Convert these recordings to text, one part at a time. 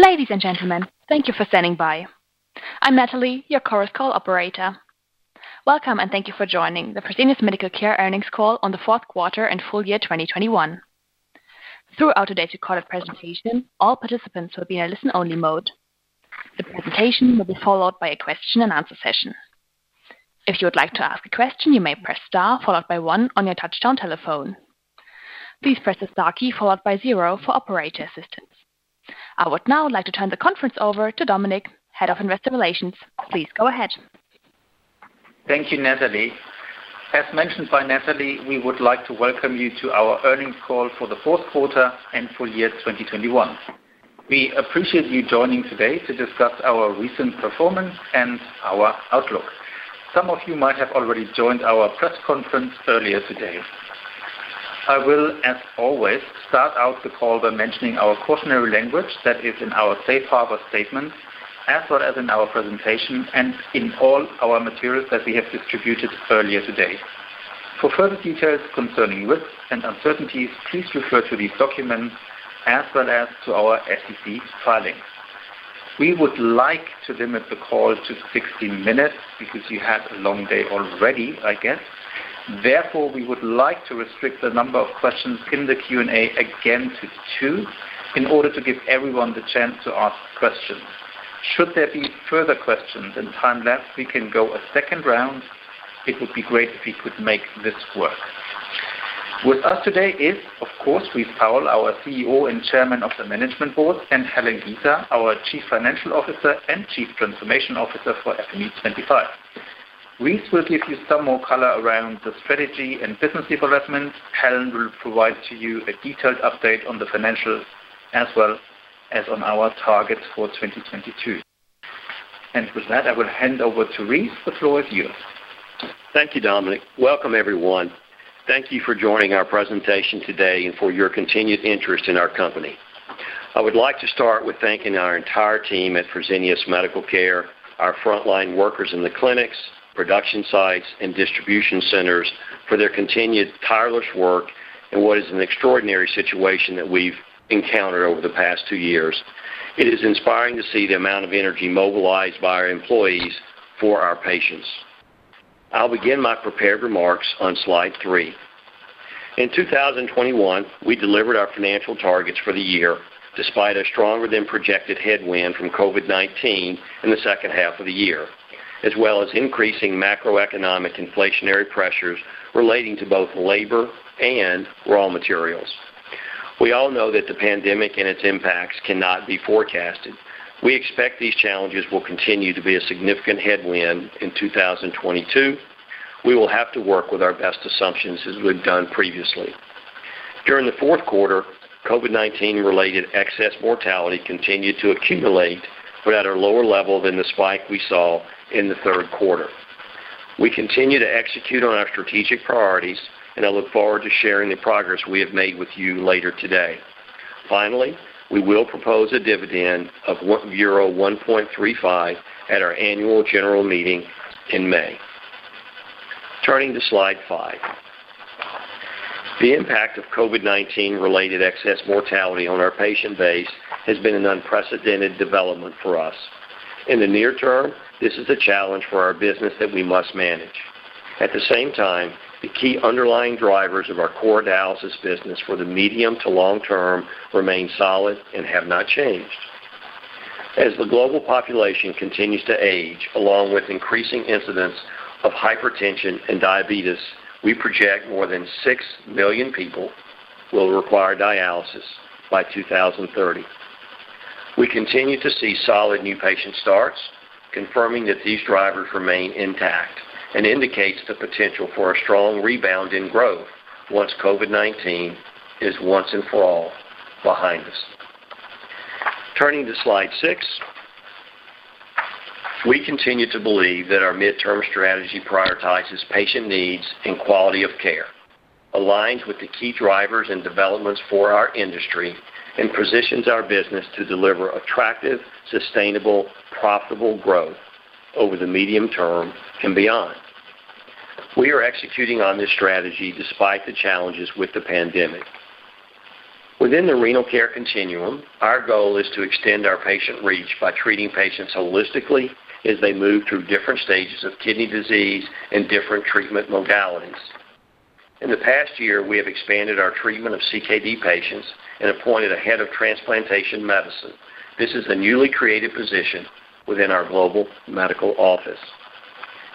Ladies and gentlemen, thank you for standing by. I'm Natalie, your Chorus Call operator. Welcome, and thank you for joining the Fresenius Medical Care earnings call on the fourth quarter and full year 2021. Throughout today's recorded presentation, all participants will be in a listen-only mode. The presentation will be followed by a question-and-answer session. If you would like to ask a question, you may press star followed by 1 on your touchtone telephone. Please press the star key followed by 0 for operator assistance. I would now like to turn the conference over to Dominik, Head of Investor Relations. Please go ahead. Thank you, Natalie. As mentioned by Natalie, we would like to welcome you to our earnings call for the fourth quarter and full year 2021. We appreciate you joining today to discuss our recent performance and our outlook. Some of you might have already joined our press conference earlier today. I will, as always, start out the call by mentioning our cautionary language that is in our safe harbor statement as well as in our presentation and in all our materials that we have distributed earlier today. For further details concerning risks and uncertainties, please refer to these documents as well as to our SEC filings. We would like to limit the call to 60 minutes because you had a long day already, I guess. Therefore, we would like to restrict the number of questions in the Q&A again to two in order to give everyone the chance to ask questions. Should there be further questions and time left, we can go a second round. It would be great if we could make this work. With us today is, of course, Rice Powell, our CEO and Chairman of the Management Board, and Helen Giza, our Chief Financial Officer and Chief Transformation Officer for FME 25. Rice will give you some more color around the strategy and business development. Helen will provide to you a detailed update on the financials as well as on our targets for 2022. With that, I will hand over to Rice. The floor is yours. Thank you, Dominik. Welcome, everyone. Thank you for joining our presentation today and for your continued interest in our company. I would like to start with thanking our entire team at Fresenius Medical Care, our frontline workers in the clinics, production sites, and distribution centers for their continued tireless work in what is an extraordinary situation that we've encountered over the past two years. It is inspiring to see the amount of energy mobilized by our employees for our patients. I'll begin my prepared remarks on slide three. In 2021, we delivered our financial targets for the year despite a stronger-than-projected headwind from COVID-19 in the second half of the year, as well as increasing macroeconomic inflationary pressures relating to both labor and raw materials. We all know that the pandemic and its impacts cannot be forecasted. We expect these challenges will continue to be a significant headwind in 2022. We will have to work with our best assumptions as we've done previously. During the fourth quarter, COVID-19-related excess mortality continued to accumulate but at a lower level than the spike we saw in the third quarter. We continue to execute on our strategic priorities, and I look forward to sharing the progress we have made with you later today. Finally, we will propose a dividend of euro 1.35 at our annual general meeting in May. Turning to slide 5. The impact of COVID-19-related excess mortality on our patient base has been an unprecedented development for us. In the near term, this is a challenge for our business that we must manage. At the same time, the key underlying drivers of our core dialysis business for the medium to long term remain solid and have not changed. As the global population continues to age, along with increasing incidence of hypertension and diabetes, we project more than 6 million people will require dialysis by 2030. We continue to see solid new patient starts, confirming that these drivers remain intact and indicates the potential for a strong rebound in growth once COVID-19 is once and for all behind us. Turning to slide 6. We continue to believe that our midterm strategy prioritizes patient needs and quality of care, aligns with the key drivers and developments for our industry, and positions our business to deliver attractive, sustainable, profitable growth over the medium term and beyond. We are executing on this strategy despite the challenges with the pandemic. Within the renal care continuum, our goal is to extend our patient reach by treating patients holistically as they move through different stages of kidney disease and different treatment modalities. In the past year, we have expanded our treatment of CKD patients and appointed a head of transplantation medicine. This is a newly created position within our global medical office.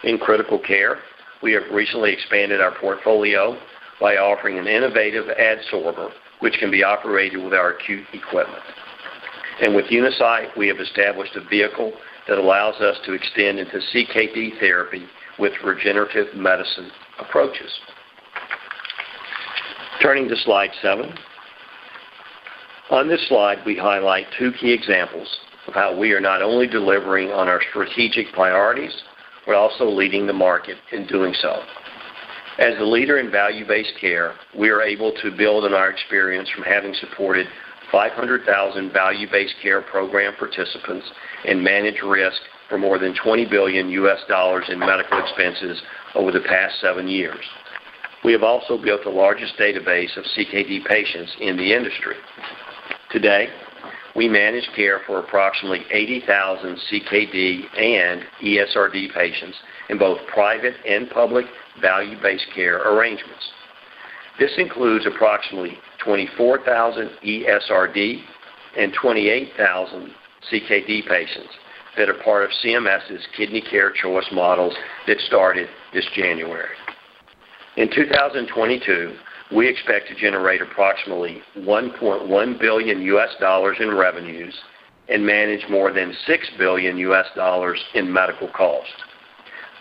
In critical care, we have recently expanded our portfolio by offering an innovative adsorber, which can be operated with our acute equipment. With Unicyte, we have established a vehicle that allows us to extend into CKD therapy with regenerative medicine approaches. Turning to slide 7. On this slide, we highlight two key examples of how we are not only delivering on our strategic priorities, but also leading the market in doing so. As a leader in value-based care, we are able to build on our experience from having supported 500,000 value-based care program participants and manage risk for more than $20 billion in medical expenses over the past seven years. We have also built the largest database of CKD patients in the industry. Today, we manage care for approximately 80,000 CKD and ESRD patients in both private and public value-based care arrangements. This includes approximately 24,000 ESRD and 28,000 CKD patients that are part of CMS's Kidney Care Choices models that started this January. In 2022, we expect to generate approximately $1.1 billion in revenues and manage more than $6 billion in medical costs.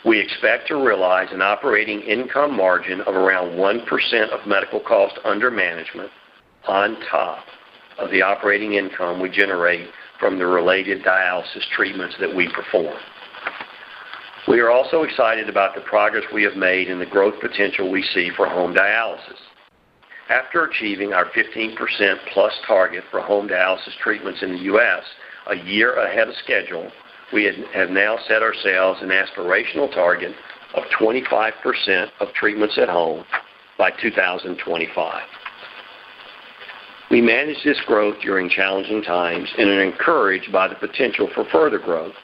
We expect to realize an operating income margin of around 1% of medical costs under management on top of the operating income we generate from the related dialysis treatments that we perform. We are also excited about the progress we have made and the growth potential we see for home dialysis. After achieving our 15%+ target for home dialysis treatments in the U.S. a year ahead of schedule, we have now set ourselves an aspirational target of 25% of treatments at home by 2025. We manage this growth during challenging times and are encouraged by the potential for further growth,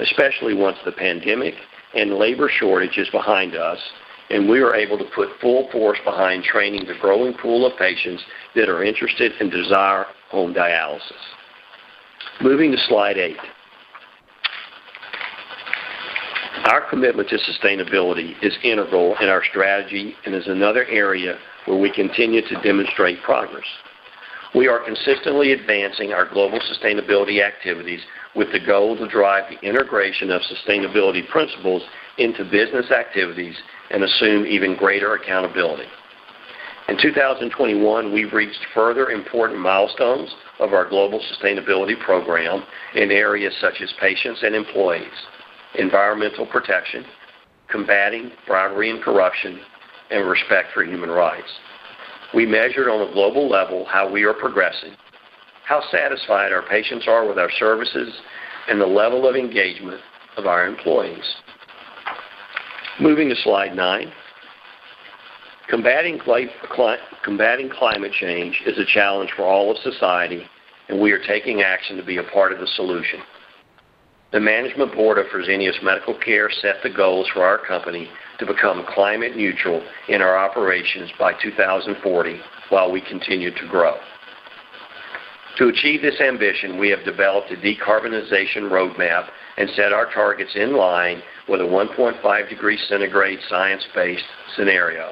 especially once the pandemic and labor shortage is behind us and we are able to put full force behind training the growing pool of patients that are interested and desire home dialysis. Moving to slide 8. Our commitment to sustainability is integral in our strategy and is another area where we continue to demonstrate progress. We are consistently advancing our global sustainability activities with the goal to drive the integration of sustainability principles into business activities and assume even greater accountability. In 2021, we've reached further important milestones of our global sustainability program in areas such as patients and employees, environmental protection, combating bribery and corruption, and respect for human rights. We measured on a global level how we are progressing, how satisfied our patients are with our services, and the level of engagement of our employees. Moving to slide 9. Combating climate change is a challenge for all of society, and we are taking action to be a part of the solution. The management board of Fresenius Medical Care set the goals for our company to become climate neutral in our operations by 2040 while we continue to grow. To achieve this ambition, we have developed a decarbonization roadmap and set our targets in line with a 1.5 degree centigrade science-based scenario.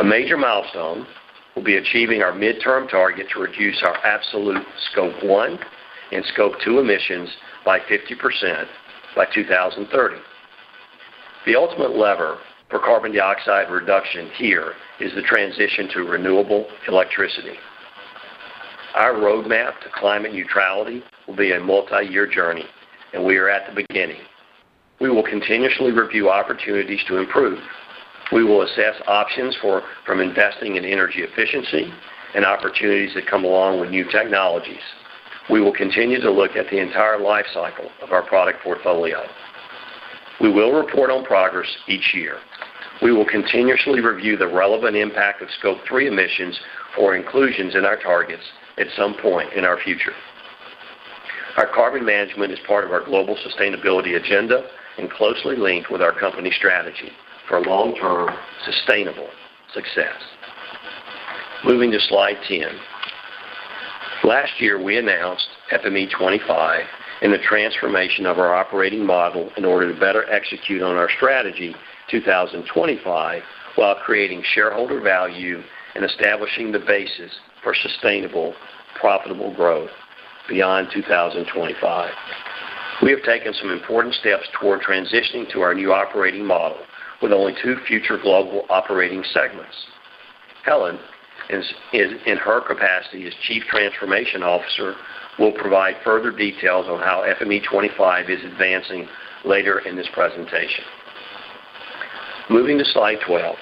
A major milestone will be achieving our midterm target to reduce our absolute Scope 1 and Scope 2 emissions by 50% by 2030. The ultimate lever for carbon dioxide reduction here is the transition to renewable electricity. Our roadmap to climate neutrality will be a multi-year journey, and we are at the beginning. We will continuously review opportunities to improve. We will assess options, from investing in energy efficiency and opportunities that come along with new technologies. We will continue to look at the entire life cycle of our product portfolio. We will report on progress each year. We will continuously review the relevant impact of Scope 3 emissions for inclusions in our targets at some point in our future. Our carbon management is part of our global sustainability agenda and closely linked with our company strategy for long-term sustainable success. Moving to slide 10. Last year, we announced FME 25 and the transformation of our operating model in order to better execute on our strategy 2025 while creating shareholder value and establishing the basis for sustainable, profitable growth beyond 2025. We have taken some important steps toward transitioning to our new operating model with only two future global operating segments. Helen, in her capacity as Chief Transformation Officer, will provide further details on how FME 25 is advancing later in this presentation. Moving to slide 12.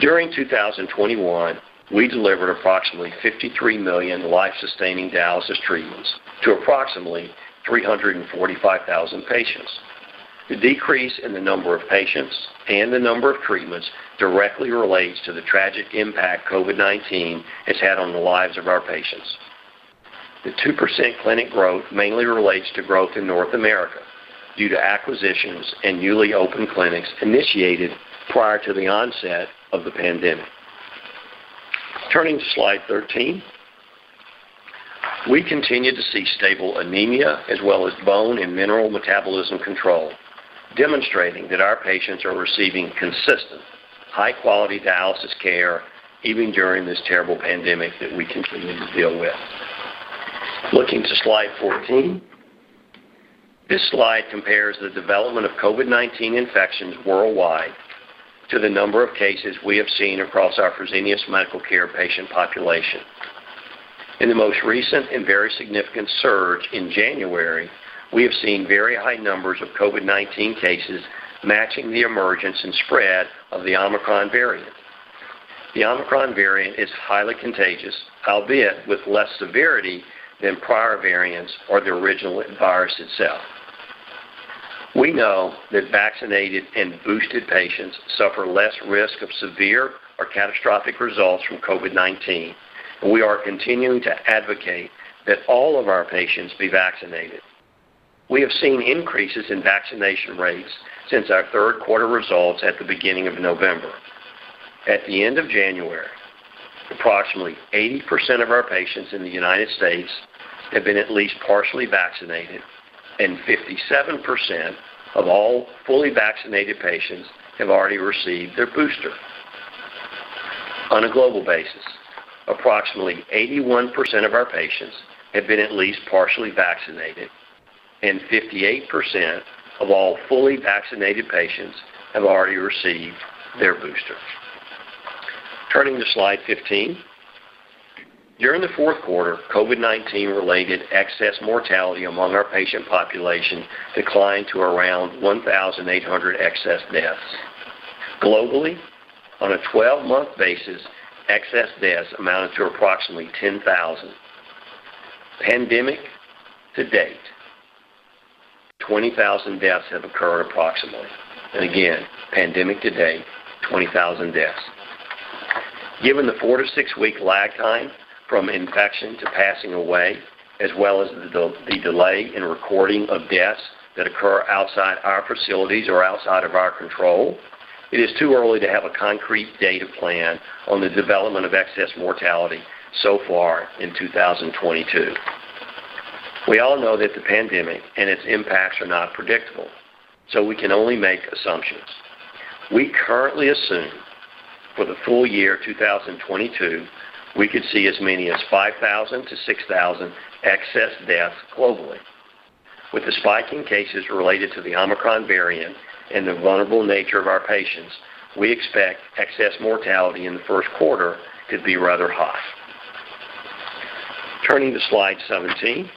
During 2021, we delivered approximately 53 million life-sustaining dialysis treatments to approximately 345,000 patients. The decrease in the number of patients and the number of treatments directly relates to the tragic impact COVID-19 has had on the lives of our patients. The 2% clinic growth mainly relates to growth in North America due to acquisitions and newly opened clinics initiated prior to the onset of the pandemic. Turning to slide 13. We continue to see stable anemia as well as bone and mineral metabolism control, demonstrating that our patients are receiving consistent high-quality dialysis care even during this terrible pandemic that we continue to deal with. Looking to slide 14. This slide compares the development of COVID-19 infections worldwide to the number of cases we have seen across our Fresenius Medical Care patient population. In the most recent and very significant surge in January, we have seen very high numbers of COVID-19 cases matching the emergence and spread of the Omicron variant. The Omicron variant is highly contagious, albeit with less severity than prior variants or the original virus itself. We know that vaccinated and boosted patients suffer less risk of severe or catastrophic results from COVID-19, and we are continuing to advocate that all of our patients be vaccinated. We have seen increases in vaccination rates since our third quarter results at the beginning of November. At the end of January, approximately 80% of our patients in the United States have been at least partially vaccinated, and 57% of all fully vaccinated patients have already received their booster. On a global basis, approximately 81% of our patients have been at least partially vaccinated, and 58% of all fully vaccinated patients have already received their booster. Turning to slide 15. During the fourth quarter, COVID-19-related excess mortality among our patient population declined to around 1,800 excess deaths. Globally, on a twelve-month basis, excess deaths amounted to approximately 10,000. Pandemic to date, approximately 20,000 deaths have occurred. Given the 4- to 6-week lag time from infection to passing away, as well as the delay in recording of deaths that occur outside our facilities or outside of our control, it is too early to have a concrete data point on the development of excess mortality so far in 2022. We all know that the pandemic and its impacts are not predictable, so we can only make assumptions. We currently assume for the full year 2022, we could see as many as 5,000-6,000 excess deaths globally. With the spike in cases related to the Omicron variant and the vulnerable nature of our patients, we expect excess mortality in the first quarter to be rather high. Turning to slide 17.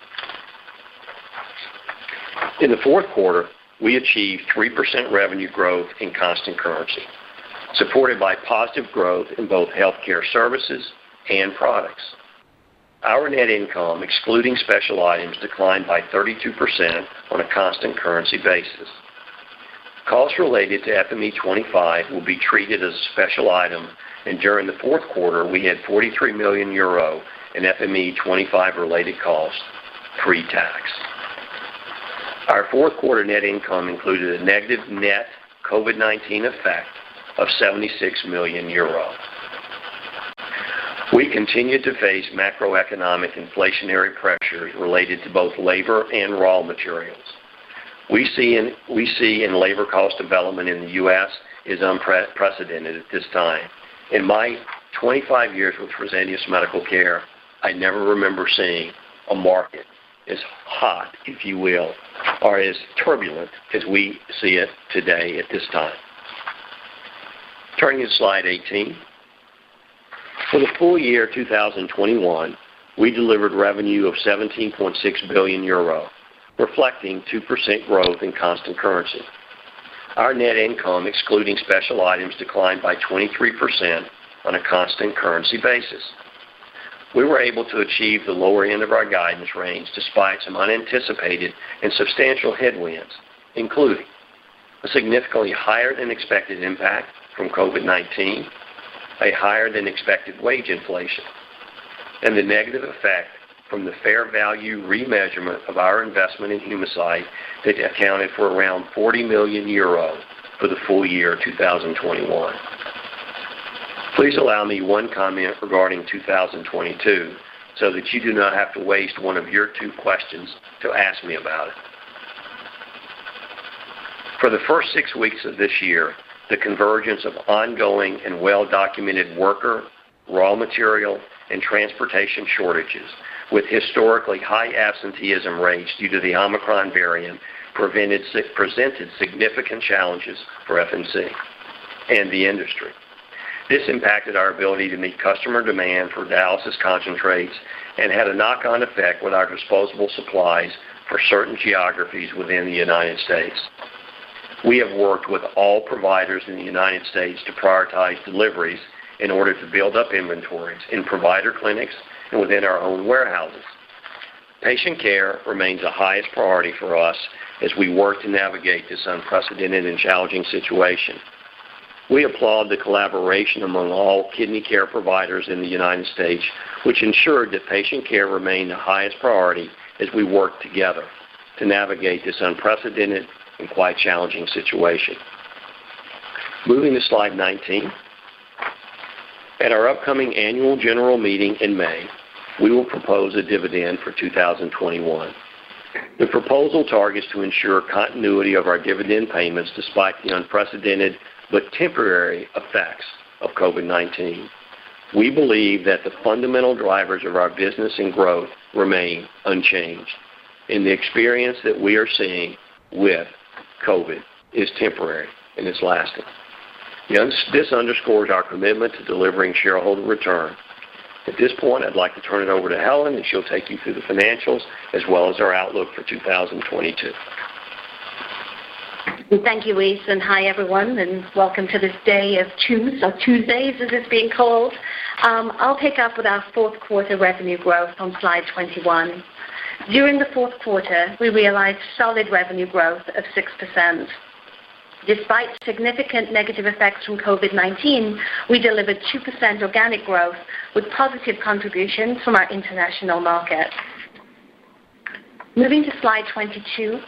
In the fourth quarter, we achieved 3% revenue growth in constant currency, supported by positive growth in both healthcare services and products. Our net income, excluding special items, declined by 32% on a constant currency basis. Costs related to FME 25 will be treated as a special item, and during the fourth quarter, we had 43 million euro in FME 25 related costs, pre-tax. Our fourth quarter net income included a negative net COVID-19 effect of 76 million euros. We continue to face macroeconomic inflationary pressures related to both labor and raw materials. We see labor cost development in the U.S. is unprecedented at this time. In my 25 years with Fresenius Medical Care, I never remember seeing a market as hot, if you will, or as turbulent as we see it today at this time. Turning to slide 18. For the full year 2021, we delivered revenue of 17.6 billion euro, reflecting 2% growth in constant currency. Our net income, excluding special items, declined by 23% on a constant currency basis. We were able to achieve the lower end of our guidance range despite some unanticipated and substantial headwinds, including a significantly higher-than-expected impact from COVID-19, a higher-than-expected wage inflation, and the negative effect from the fair value remeasurement of our investment in Humacyte that accounted for around 40 million euros for the full year 2021. Please allow me one comment regarding 2022 so that you do not have to waste one of your two questions to ask me about it. For the first six weeks of this year, the convergence of ongoing and well-documented worker, raw material, and transportation shortages with historically high absenteeism rates due to the Omicron variant presented significant challenges for FMC and the industry. This impacted our ability to meet customer demand for dialysis concentrates and had a knock-on effect with our disposable supplies for certain geographies within the United States. We have worked with all providers in the United States to prioritize deliveries in order to build up inventories in provider clinics and within our own warehouses. Patient care remains the highest priority for us as we work to navigate this unprecedented and challenging situation. We applaud the collaboration among all kidney care providers in the United States, which ensured that patient care remained the highest priority as we work together to navigate this unprecedented and quite challenging situation. Moving to slide 19. At our upcoming annual general meeting in May, we will propose a dividend for 2021. The proposal targets to ensure continuity of our dividend payments despite the unprecedented but temporary effects of COVID-19. We believe that the fundamental drivers of our business and growth remain unchanged, and the experience that we are seeing with COVID is temporary, and it's not lasting. This underscores our commitment to delivering shareholder return. At this point, I'd like to turn it over to Helen, and she'll take you through the financials as well as our outlook for 2022. Thank you, Rice, and hi, everyone, and welcome to this day of twos or Tuesdays as it's being called. I'll pick up with our fourth quarter revenue growth on slide 21. During the fourth quarter, we realized solid revenue growth of 6%. Despite significant negative effects from COVID-19, we delivered 2% organic growth with positive contributions from our international markets. Moving to slide 22.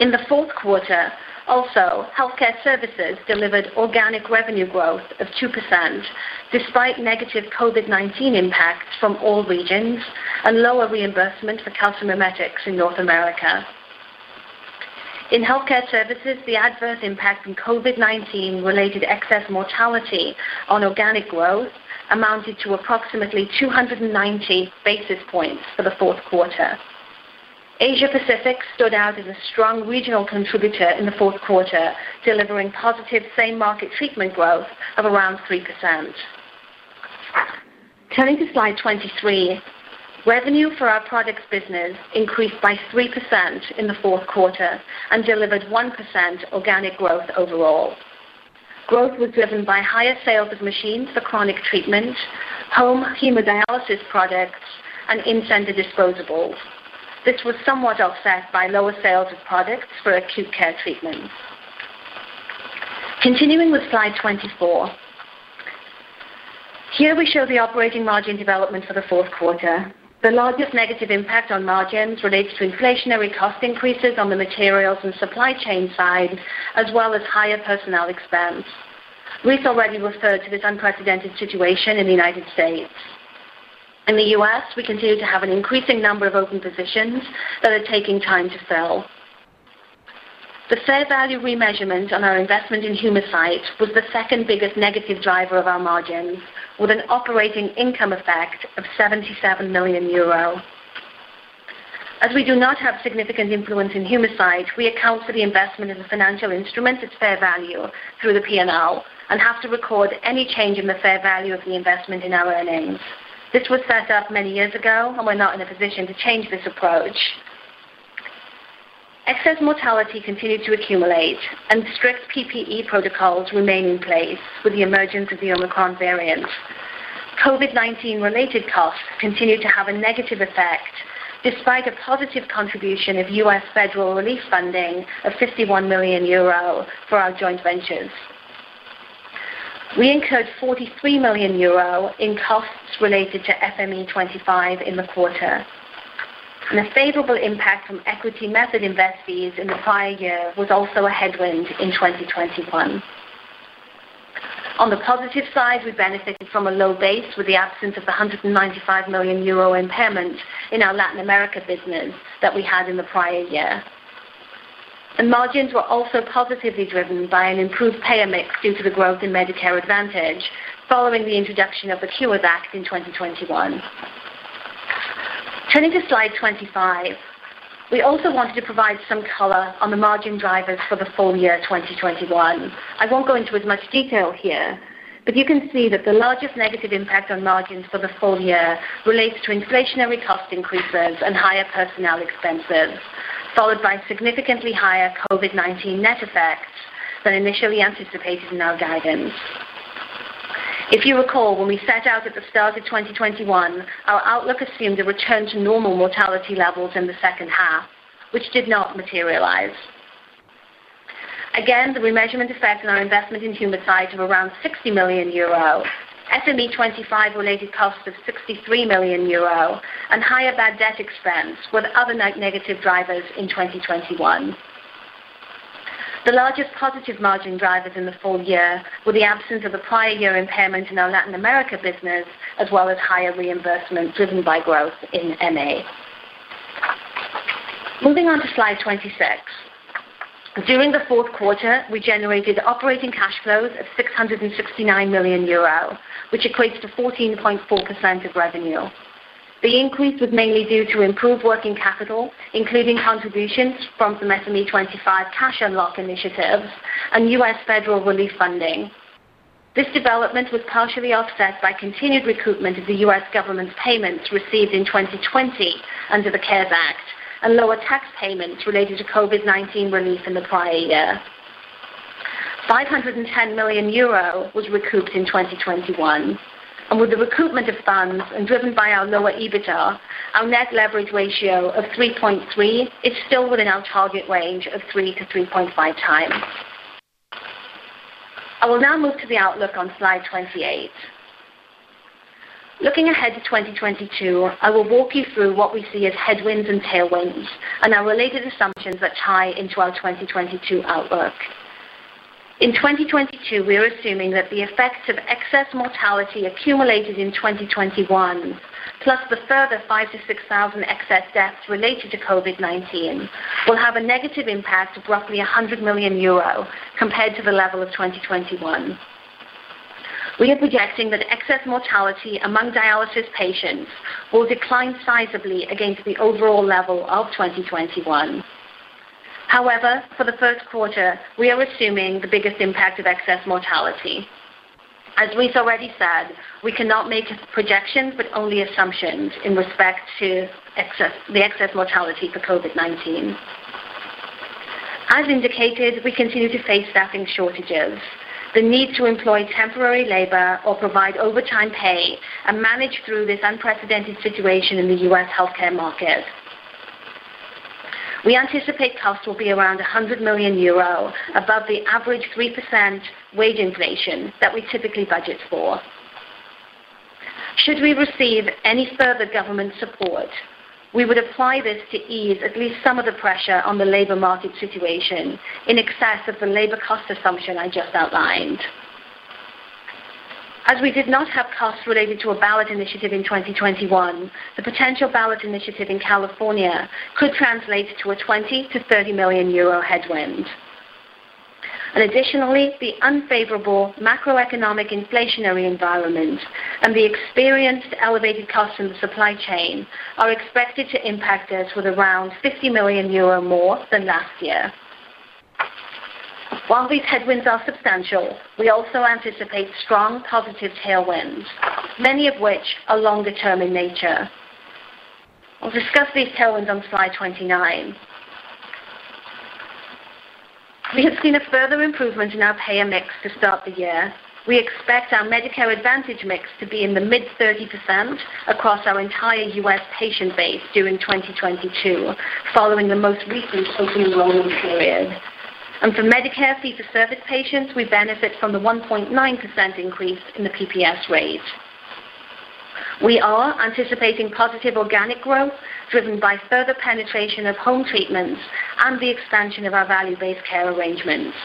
In the fourth quarter, also, Healthcare Services delivered organic revenue growth of 2% despite negative COVID-19 impacts from all regions and lower reimbursement for calcimimetics in North America. In Healthcare Services, the adverse impact from COVID-19 related excess mortality on organic growth amounted to approximately 290 basis points for the fourth quarter. Asia-Pacific stood out as a strong regional contributor in the fourth quarter, delivering positive same-market treatment growth of around 3%. Turning to slide 23, revenue for our products business increased by 3% in the fourth quarter and delivered 1% organic growth overall. Growth was driven by higher sales of machines for chronic treatment, home hemodialysis products, and in-center disposables. This was somewhat offset by lower sales of products for acute care treatments. Continuing with slide 24. Here we show the operating margin development for the fourth quarter. The largest negative impact on margins relates to inflationary cost increases on the materials and supply chain side, as well as higher personnel expense. Rice already referred to this unprecedented situation in the United States. In the U.S., we continue to have an increasing number of open positions that are taking time to fill. The fair value remeasurement on our investment in Humacyte was the second biggest negative driver of our margins, with an operating income effect of 77 million euro. As we do not have significant influence in Humacyte, we account for the investment as a financial instrument at fair value through the P&L and have to record any change in the fair value of the investment in our earnings. This was set up many years ago, and we're not in a position to change this approach. Excess mortality continued to accumulate and strict PPE protocols remain in place with the emergence of the Omicron variant. COVID-19-related costs continued to have a negative effect despite a positive contribution of US federal relief funding of 51 million euro for our joint ventures. We incurred 43 million euro in costs related to FME 25 in the quarter. The favorable impact from equity method investees in the prior year was also a headwind in 2021. On the positive side, we benefited from a low base with the absence of the 195 million euro impairment in our Latin America business that we had in the prior year. The margins were also positively driven by an improved payer mix due to the growth in Medicare Advantage following the introduction of the Cures Act in 2021. Turning to slide 25. We also wanted to provide some color on the margin drivers for the full year 2021. I won't go into as much detail here, but you can see that the largest negative impact on margins for the full year relates to inflationary cost increases and higher personnel expenses, followed by significantly higher COVID-19 net effects than initially anticipated in our guidance. If you recall, when we set out at the start of 2021, our outlook assumed a return to normal mortality levels in the second half, which did not materialize. Again, the remeasurement effect on our investment in Humacyte of around 60 million euro, FME 25 related cost of 63 million euro, and higher bad debt expense were the other negative drivers in 2021. The largest positive margin drivers in the full year were the absence of the prior year impairment in our Latin America business, as well as higher reimbursement driven by growth in MA. Moving on to slide 26. During the fourth quarter, we generated operating cash flows of 669 million euro, which equates to 14.4% of revenue. The increase was mainly due to improved working capital, including contributions from some FME 25 cash unlock initiatives and U.S. federal relief funding. This development was partially offset by continued recoupment of the U.S. government payments received in 2020 under the CARES Act and lower tax payments related to COVID-19 relief in the prior year. 510 million euro was recouped in 2021. With the recoupment of funds and driven by our lower EBITDA, our net leverage ratio of 3.3 is still within our target range of 3-3.5 times. I will now move to the outlook on slide 28. Looking ahead to 2022, I will walk you through what we see as headwinds and tailwinds and our related assumptions that tie into our 2022 outlook. In 2022, we are assuming that the effects of excess mortality accumulated in 2021, plus the further 5,000-6,000 excess deaths related to COVID-19, will have a negative impact of roughly 100 million euro compared to the level of 2021. We are projecting that excess mortality among dialysis patients will decline sizably against the overall level of 2021. However, for the first quarter, we are assuming the biggest impact of excess mortality. As Rice already said, we cannot make projections, but only assumptions in respect to the excess mortality for COVID-19. As indicated, we continue to face staffing shortages, the need to employ temporary labor or provide overtime pay and manage through this unprecedented situation in the U.S. healthcare market. We anticipate costs will be around 100 million euro above the average 3% wage inflation that we typically budget for. Should we receive any further government support, we would apply this to ease at least some of the pressure on the labor market situation in excess of the labor cost assumption I just outlined. As we did not have costs related to a ballot initiative in 2021, the potential ballot initiative in California could translate to a 20 million-30 million euro headwind. Additionally, the unfavorable macroeconomic inflationary environment and the experienced elevated cost in the supply chain are expected to impact us with around 50 million euro more than last year. While these headwinds are substantial, we also anticipate strong positive tailwinds, many of which are longer term in nature. I'll discuss these tailwinds on slide 29. We have seen a further improvement in our payer mix to start the year. We expect our Medicare Advantage mix to be in the mid-30% across our entire U.S. patient base during 2022, following the most recent open enrollment period. For Medicare fee-for-service patients, we benefit from the 1.9% increase in the PPS rate. We are anticipating positive organic growth driven by further penetration of home treatments and the expansion of our value-based care arrangements.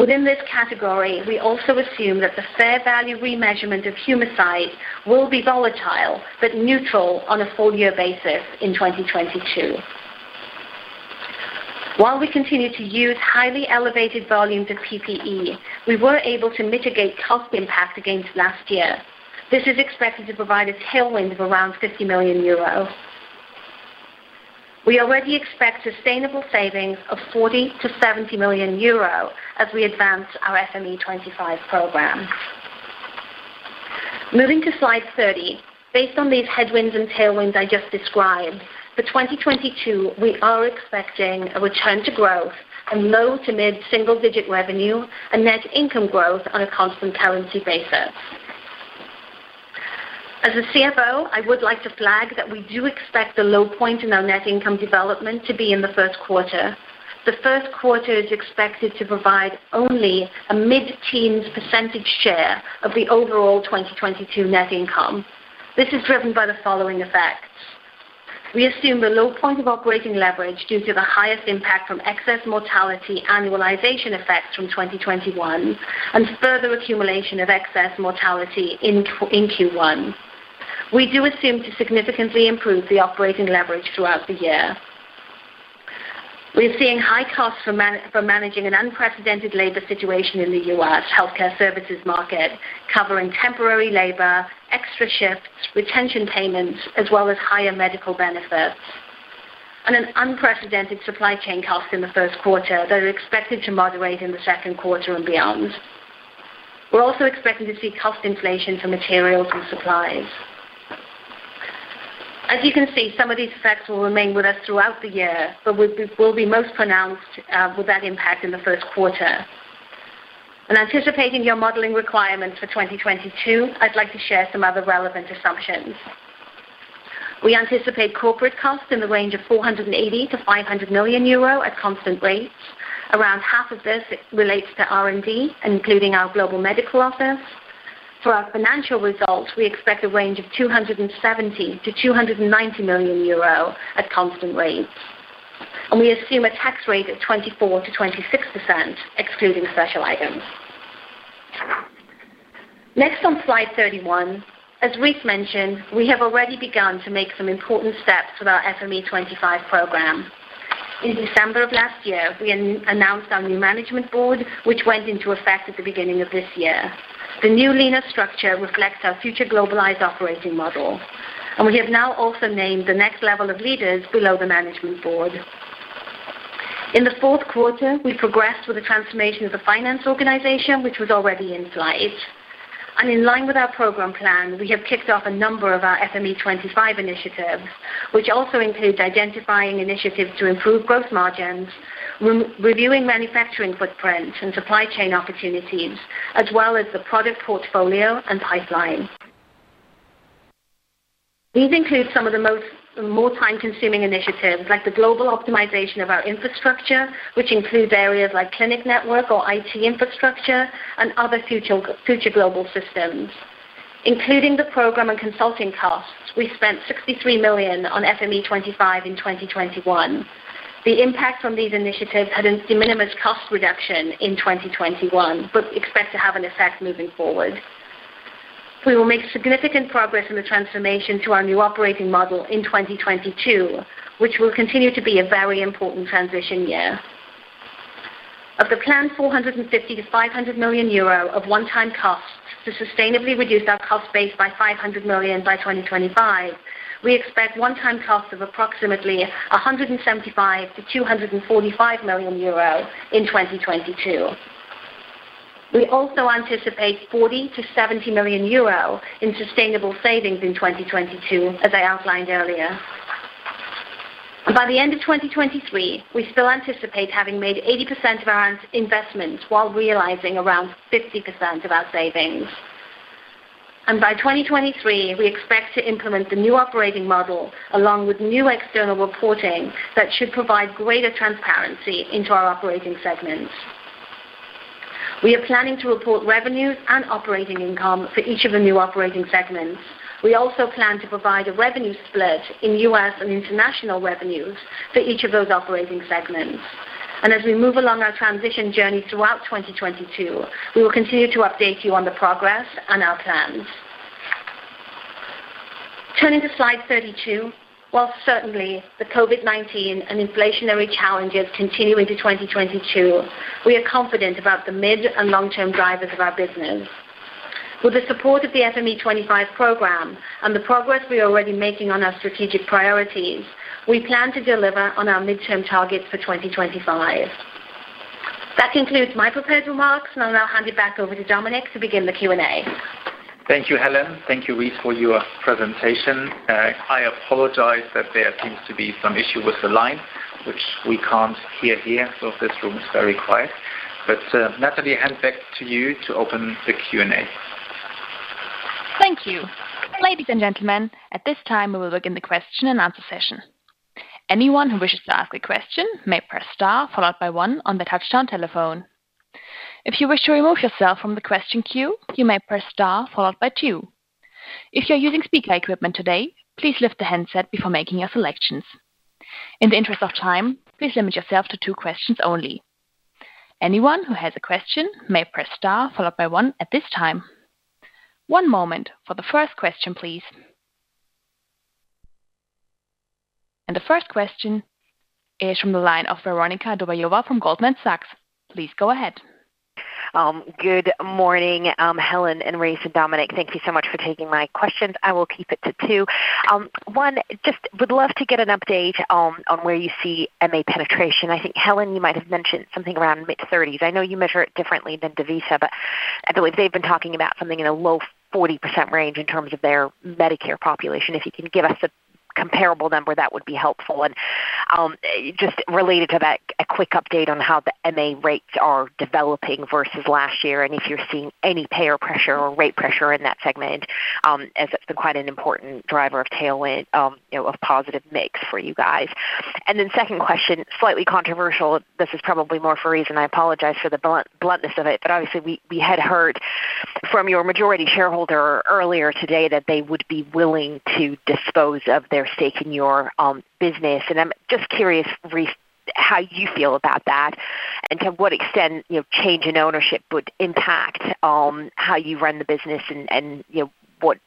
Within this category, we also assume that the fair value remeasurement of Humacyte will be volatile but neutral on a full year basis in 2022. While we continue to use highly elevated volumes of PPE, we were able to mitigate cost impact against last year. This is expected to provide a tailwind of around 50 million euros. We already expect sustainable savings of 40 million-70 million euros as we advance our FME 25 program. Moving to slide 30. Based on these headwinds and tailwinds I just described, for 2022, we are expecting a return to growth and low- to mid-single-digit revenue and net income growth on a constant currency basis. As a CFO, I would like to flag that we do expect the low point in our net income development to be in the first quarter. The first quarter is expected to provide only a mid-teens % share of the overall 2022 net income. This is driven by the following effects. We assume the low point of operating leverage due to the highest impact from excess mortality annualization effects from 2021 and further accumulation of excess mortality in Q1. We do assume to significantly improve the operating leverage throughout the year. We're seeing high costs for for managing an unprecedented labor situation in the U.S. healthcare services market, covering temporary labor, extra shifts, retention payments, as well as higher medical benefits. An unprecedented supply chain cost in the first quarter that are expected to moderate in the second quarter and beyond. We're also expecting to see cost inflation for materials and supplies. As you can see, some of these effects will remain with us throughout the year, but will be most pronounced with that impact in the first quarter. In anticipating your modeling requirements for 2022, I'd like to share some other relevant assumptions. We anticipate corporate costs in the range of 480 million-500 million euro at constant rates. Around half of this relates to R&D, including our global medical office. For our financial results, we expect a range of 270 million-290 million euro at constant rates. We assume a tax rate of 24%-26%, excluding special items. Next on slide 31. As Rice mentioned, we have already begun to make some important steps with our FME 25 program. In December of last year, we announced our new management board, which went into effect at the beginning of this year. The new leaner structure reflects our future globalized operating model, and we have now also named the next level of leaders below the management board. In the fourth quarter, we progressed with the transformation of the finance organization, which was already in flight. In line with our program plan, we have kicked off a number of our FME 25 initiatives, which also include identifying initiatives to improve growth margins, re-reviewing manufacturing footprint and supply chain opportunities, as well as the product portfolio and pipeline. These include some of the most time-consuming initiatives like the global optimization of our infrastructure, which include areas like clinic network or IT infrastructure and other future global systems. Including the program and consulting costs, we spent 63 million on FME 25 in 2021. The impact from these initiatives had de minimis cost reduction in 2021, but we expect to have an effect moving forward. We will make significant progress in the transformation to our new operating model in 2022, which will continue to be a very important transition year. Of the planned 450 million-500 million euro of one-time costs to sustainably reduce our cost base by 500 million by 2025. We expect one-time cost of approximately 175 million-245 million euro in 2022. We also anticipate 40 million-70 million euro in sustainable savings in 2022, as I outlined earlier. By the end of 2023, we still anticipate having made 80% of our investment while realizing around 50% of our savings. By 2023, we expect to implement the new operating model along with new external reporting that should provide greater transparency into our operating segments. We are planning to report revenues and operating income for each of the new operating segments. We also plan to provide a revenue split in U.S. and international revenues for each of those operating segments. As we move along our transition journey throughout 2022, we will continue to update you on the progress and our plans. Turning to slide 32. While certainly the COVID-19 and inflationary challenges continue into 2022, we are confident about the mid and long-term drivers of our business. With the support of the FME 25 program and the progress we are already making on our strategic priorities, we plan to deliver on our midterm targets for 2025. That concludes my prepared remarks, and I'll now hand it back over to Dominik to begin the Q&A. Thank you, Helen. Thank you, Rice, for your presentation. I apologize that there seems to be some issue with the line, which we can't hear here. This room is very quiet. Natalie, hand back to you to open the Q&A. Thank you. Ladies and gentlemen, at this time, we will begin the question-and-answer session. Anyone who wishes to ask a question may press * followed by 1 on their touch-tone telephone. If you wish to remove yourself from the question queue, you may press * followed by 2. If you're using speaker equipment today, please lift the handset before making your selections. In the interest of time, please limit yourself to two questions only. Anyone who has a question may press * followed by 1 at this time. One moment for the first question, please. The first question is from the line of Veronika Dubajova from Goldman Sachs. Please go ahead. Good morning, Helen and Rice and Dominik. Thank you so much for taking my questions. I will keep it to two. One, just would love to get an update on where you see MA penetration. I think, Helen, you might have mentioned something around mid-30s. I know you measure it differently than DaVita, but they've been talking about something in a low 40% range in terms of their Medicare population. If you can give us a comparable number, that would be helpful. Just related to that, a quick update on how the MA rates are developing versus last year, and if you're seeing any payer pressure or rate pressure in that segment, as it's been quite an important driver of tailwind, you know, of positive mix for you guys. Second question, slightly controversial. This is probably more for Rice, and I apologize for the bluntness of it. Obviously, we had heard from your majority shareholder earlier today that they would be willing to dispose of their stake in your business. I'm just curious, Rice, how you feel about that and to what extent, you know, change in ownership would impact how you run the business and you know, what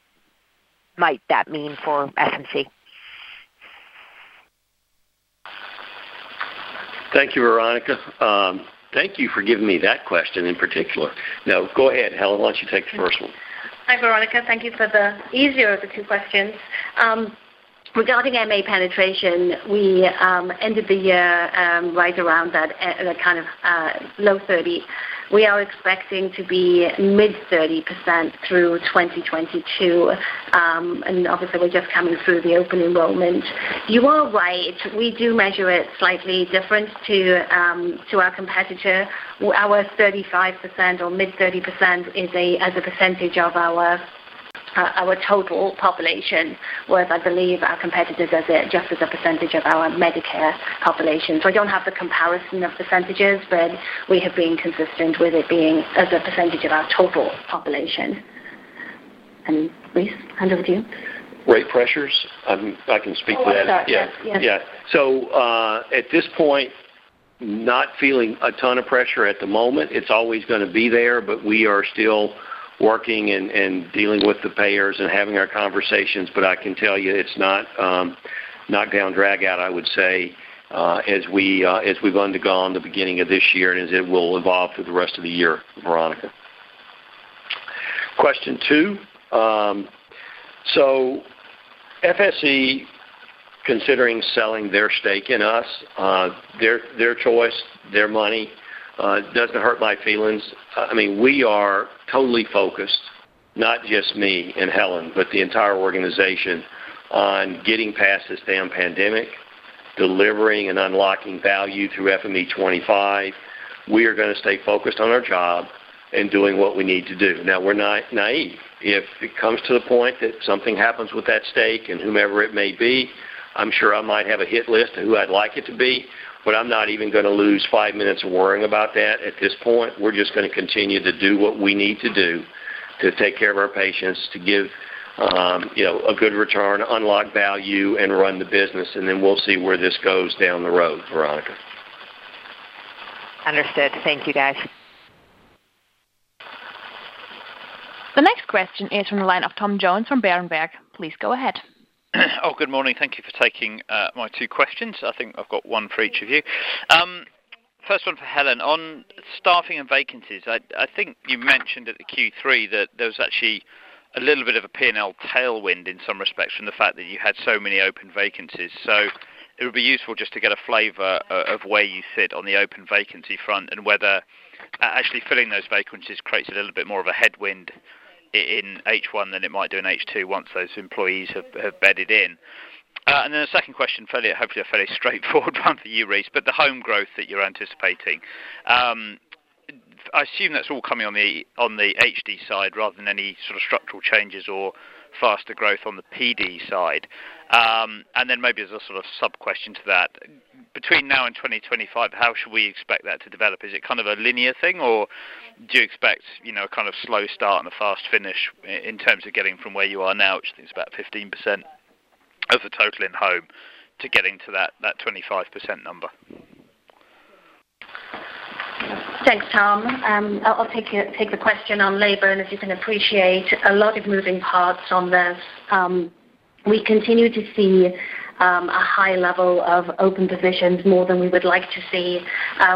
might that mean for FSE? Thank you, Veronika. Thank you for giving me that question in particular. No, go ahead, Helen. Why don't you take the first one? Hi, Veronika. Thank you for the easier of the two questions. Regarding MA penetration, we ended the year right around that kind of low 30%. We are expecting to be mid-30% through 2022. Obviously, we're just coming through the open enrollment. You are right. We do measure it slightly different to our competitor. Our 35% or mid-30% is as a percentage of our total population, whereas I believe our competitors does it just as a percentage of our Medicare population. I don't have the comparison of percentages, but we have been consistent with it being as a percentage of our total population. Rice, hand over to you. Rate pressures, I can speak to that. Oh, I'm sorry. Yes. At this point, not feeling a ton of pressure at the moment. It's always gonna be there, but we are still working and dealing with the payers and having our conversations. I can tell you it's not knock-down, drag-out, I would say, as we've undergone the beginning of this year and as it will evolve through the rest of the year, Veronika. Question two. FSE considering selling their stake in us, their choice, their money, doesn't hurt my feelings. I mean, we are totally focused, not just me and Helen, but the entire organization on getting past this damn pandemic, delivering and unlocking value through FME 25. We are gonna stay focused on our job and doing what we need to do. Now, we're not naive. If it comes to the point that something happens with that stake and whomever it may be, I'm sure I might have a hit list of who I'd like it to be, but I'm not even gonna lose five minutes worrying about that. At this point, we're just gonna continue to do what we need to do to take care of our patients, to give, you know, a good return, unlock value, and run the business, and then we'll see where this goes down the road, Veronika. Understood. Thank you, guys. The next question is from the line of Tom Jones from Berenberg. Please go ahead. Oh, good morning. Thank you for taking my two questions. I think I've got one for each of you. First one for Helen. On staffing and vacancies, I think you mentioned at the Q3 that there was actually a little bit of a P&L tailwind in some respects from the fact that you had so many open vacancies. It would be useful just to get a flavor of where you sit on the open vacancy front and whether actually filling those vacancies creates a little bit more of a headwind in H1 than it might do in H2 once those employees have bedded in. And then the second question, hopefully a fairly straightforward one for you, Reece, but the home growth that you're anticipating. I assume that's all coming on the, on the HD side rather than any sort of structural changes or faster growth on the PD side. Maybe as a sort of sub-question to that, between now and 2025, how should we expect that to develop? Is it kind of a linear thing, or do you expect, you know, a kind of slow start and a fast finish in terms of getting from where you are now, which is about 15% of the total in home, to getting to that 25% number? Thanks, Tom. I'll take the question on labor, and as you can appreciate, a lot of moving parts on this. We continue to see a high level of open positions, more than we would like to see.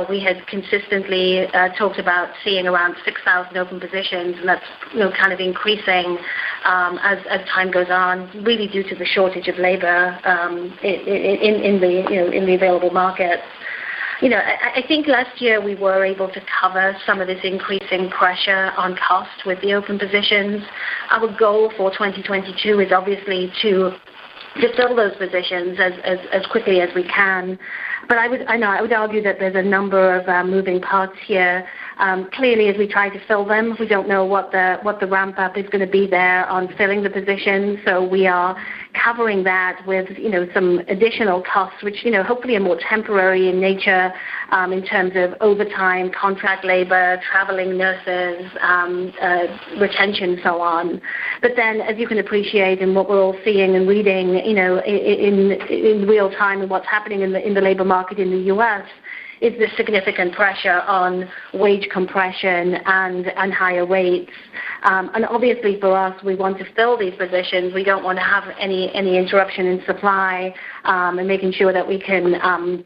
We had consistently talked about seeing around 6,000 open positions, and that's, you know, kind of increasing as time goes on, really due to the shortage of labor in the available market. You know, I think last year we were able to cover some of this increasing pressure on costs with the open positions. Our goal for 2022 is obviously to just fill those positions as quickly as we can. I know I would argue that there's a number of moving parts here. Clearly, as we try to fill them, we don't know what the ramp up is gonna be there on filling the positions. We are covering that with, you know, some additional costs, which, you know, hopefully are more temporary in nature, in terms of overtime, contract labor, traveling nurses, retention and so on. As you can appreciate and what we're all seeing and reading, you know, in real time and what's happening in the labor market in the U.S., is the significant pressure on wage compression and higher rates. Obviously for us, we want to fill these positions. We don't wanna have any interruption in supply, and making sure that we can, you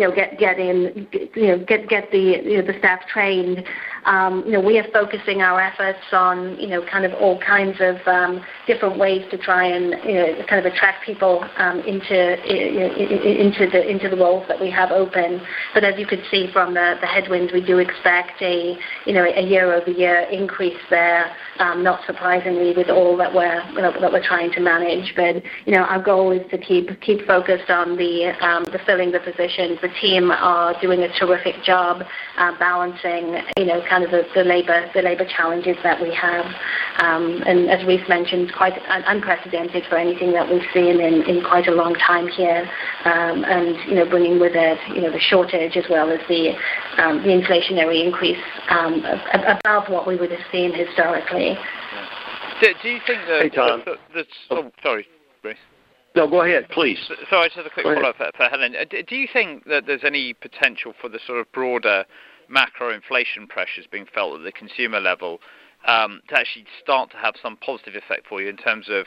know, get in, you know, get the staff trained. You know, we are focusing our efforts on, you know, kind of all kinds of different ways to try and, you know, kind of attract people into the roles that we have open. As you could see from the headwinds, we do expect a year-over-year increase there, not surprisingly with all that we're trying to manage. You know, our goal is to keep focused on filling the positions. The team are doing a terrific job balancing, you know, kind of the labor challenges that we have. As Rice mentioned, quite unprecedented for anything that we've seen in quite a long time here. You know, bringing with it, you know, the shortage as well as the inflationary increase above what we would have seen historically. Yeah. Do you think that- Hey, Tom. Oh, sorry, Rice. No, go ahead, please. Sorry, just a quick follow-up for Helen. Do you think that there's any potential for the sort of broader macro inflation pressures being felt at the consumer level to actually start to have some positive effect for you in terms of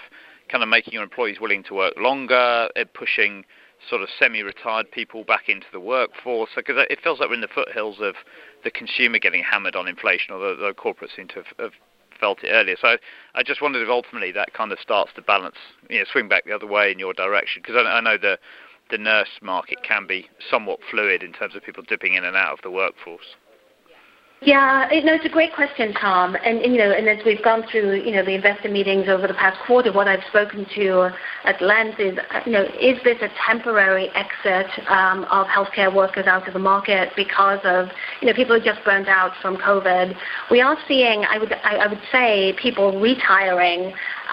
kind of making your employees willing to work longer pushing sort of semi-retired people back into the workforce? Because it feels like we're in the foothills of the consumer getting hammered on inflation, although the corporates seem to have felt it earlier. I just wondered if ultimately that kind of starts to balance, you know, swing back the other way in your direction. Because I know the nurse market can be somewhat fluid in terms of people dipping in and out of the workforce. Yeah. No, it's a great question, Tom. You know, as we've gone through, you know, the investor meetings over the past quarter, what I've spoken to at length is, you know, is this a temporary exit of healthcare workers out of the market because of, you know, people are just burned out from COVID? We are seeing, I would say, people retiring, and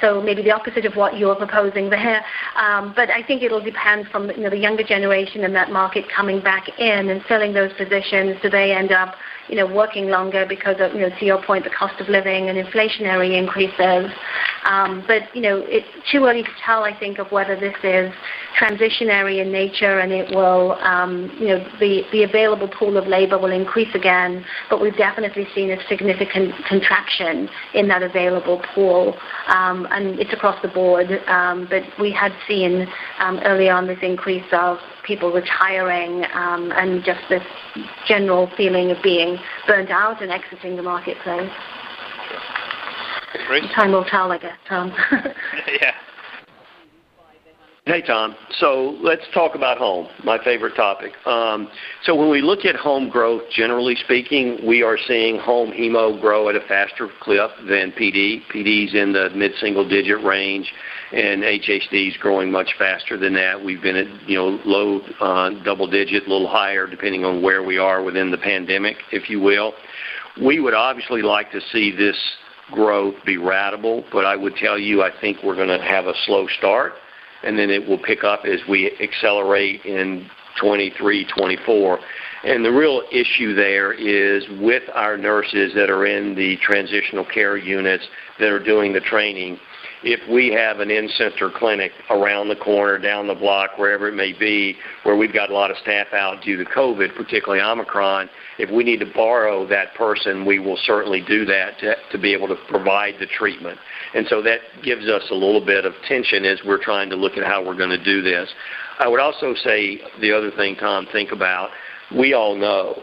so maybe the opposite of what you're proposing there. But I think it'll depend from, you know, the younger generation in that market coming back in and filling those positions. Do they end up, you know, working longer because of, you know, to your point, the cost of living and inflationary increases? You know, it's too early to tell, I think, whether this is transitory in nature and it will, you know, the available pool of labor will increase again. We've definitely seen a significant contraction in that available pool. It's across the board. We had seen early on this increase of people retiring and just this general feeling of being burned out and exiting the marketplace. Reece. Time will tell, I guess, Tom. Yeah. Hey, Tom. Let's talk about home, my favorite topic. When we look at home growth, generally speaking, we are seeing home hemo grow at a faster clip than PD. PD is in the mid-single-digit range, and HHD is growing much faster than that. We've been at, you know, low double-digit, a little higher, depending on where we are within the pandemic, if you will. We would obviously like to see this growth be ratable, but I would tell you, I think we're gonna have a slow start, and then it will pick up as we accelerate in 2023, 2024. The real issue there is with our nurses that are in the transitional care units that are doing the training. If we have an in-center clinic around the corner, down the block, wherever it may be, where we've got a lot of staff out due to COVID, particularly Omicron, if we need to borrow that person, we will certainly do that to be able to provide the treatment. That gives us a little bit of tension as we're trying to look at how we're gonna do this. I would also say the other thing, Tom. We all know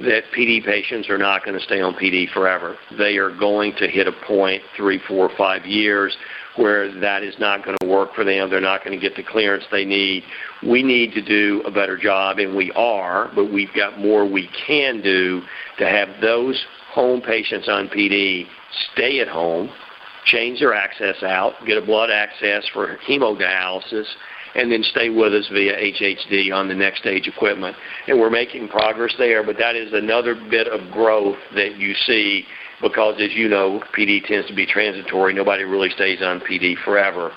that PD patients are not gonna stay on PD forever. They are going to hit a point 3, 4, 5 years where that is not gonna work for them. They're not gonna get the clearance they need. We need to do a better job, and we are, but we've got more we can do to have those home patients on PD stay at home, change their access out, get a blood access for hemodialysis, and then stay with us via HHD on the next-stage equipment. We're making progress there, but that is another bit of growth that you see because, as you know, PD tends to be transitory. Nobody really stays on PD forever.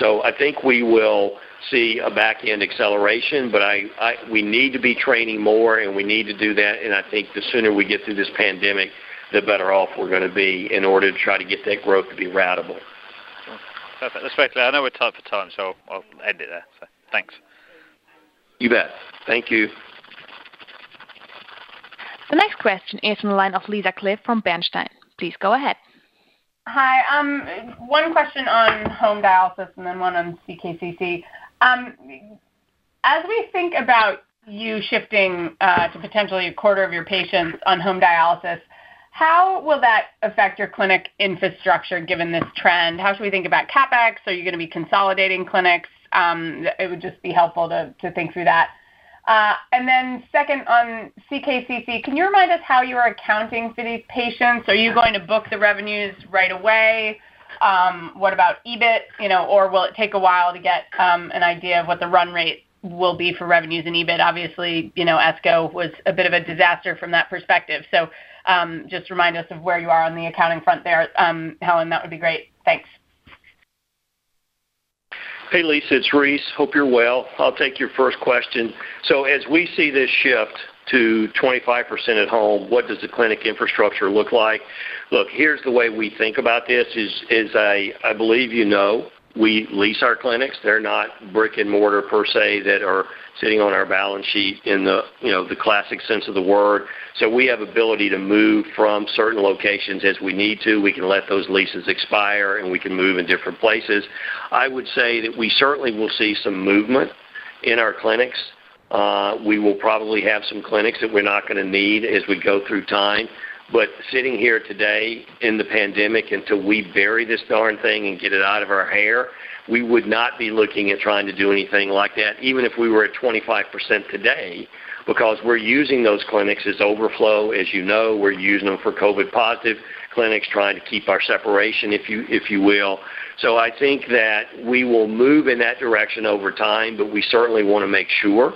I think we will see a back-end acceleration, but we need to be training more, and we need to do that. I think the sooner we get through this pandemic, the better off we're gonna be in order to try to get that growth to be ratable. Let's wait for that. I know we're tight for time, so I'll end it there. Thanks. You bet. Thank you. The next question is in the line of Lisa Clive from Bernstein. Please go ahead. Hi. One question on home dialysis and then one on CKCC. As we think about you shifting to potentially a quarter of your patients on home dialysis, how will that affect your clinic infrastructure given this trend? How should we think about CapEx? Are you gonna be consolidating clinics? It would just be helpful to think through that. And then second on CKCC, can you remind us how you are accounting for these patients? Are you going to book the revenues right away? What about EBIT? You know, or will it take a while to get an idea of what the run rate will be for revenues and EBIT? Obviously, you know, ESCO was a bit of a disaster from that perspective. Just remind us of where you are on the accounting front there, Helen, that would be great. Thanks. Hey, Lisa. It's Rice. Hope you're well. I'll take your first question. So as we see this shift to 25% at home, what does the clinic infrastructure look like? Look, here's the way we think about this. I believe you know, we lease our clinics. They're not brick-and-mortar per se that are sitting on our balance sheet in the, you know, the classic sense of the word. We have ability to move from certain locations as we need to. We can let those leases expire, and we can move in different places. I would say that we certainly will see some movement in our clinics. We will probably have some clinics that we're not gonna need as we go through time. Sitting here today in the pandemic, until we bury this darn thing and get it out of our hair, we would not be looking at trying to do anything like that, even if we were at 25% today, because we're using those clinics as overflow. As you know, we're using them for COVID positive clinics, trying to keep our separation, if you will. I think that we will move in that direction over time, but we certainly wanna make sure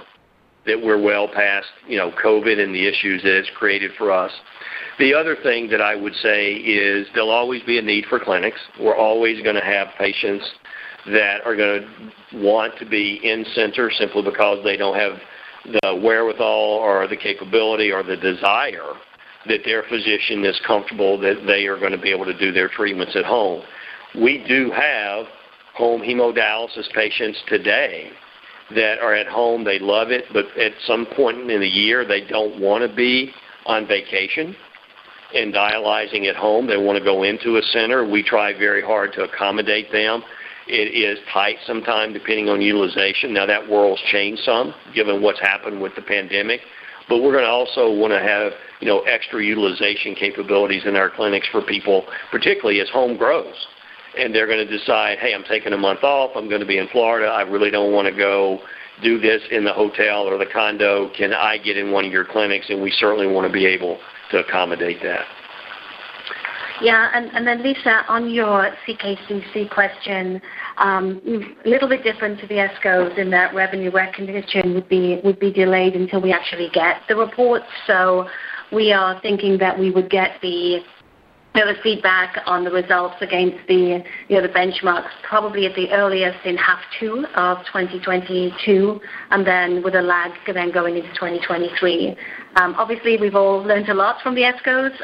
that we're well past, you know, COVID and the issues that it's created for us. The other thing that I would say is there'll always be a need for clinics. We're always gonna have patients that are gonna want to be in-center simply because they don't have the wherewithal or the capability or the desire that their physician is comfortable that they are gonna be able to do their treatments at home. We do have home hemodialysis patients today that are at home. They love it, but at some point in the year, they don't wanna be on vacation and dialyzing at home. They wanna go into a center. We try very hard to accommodate them. It is tight sometimes, depending on utilization. Now, that world's changed some given what's happened with the pandemic, but we're gonna also wanna have, you know, extra utilization capabilities in our clinics for people, particularly as home grows. They're gonna decide, "Hey, I'm taking a month off. I'm gonna be in Florida. I really don't wanna go do this in the hotel or the condo. Can I get in one of your clinics? We certainly wanna be able to accommodate that. Then Lisa, on your CKCC question, little bit different to the ESCOs in that revenue recognition would be delayed until we actually get the report. We are thinking that we would get the feedback on the results against the benchmarks probably at the earliest in H2 2022, and then with a lag then going into 2023. Obviously, we've all learned a lot from the ESCOs,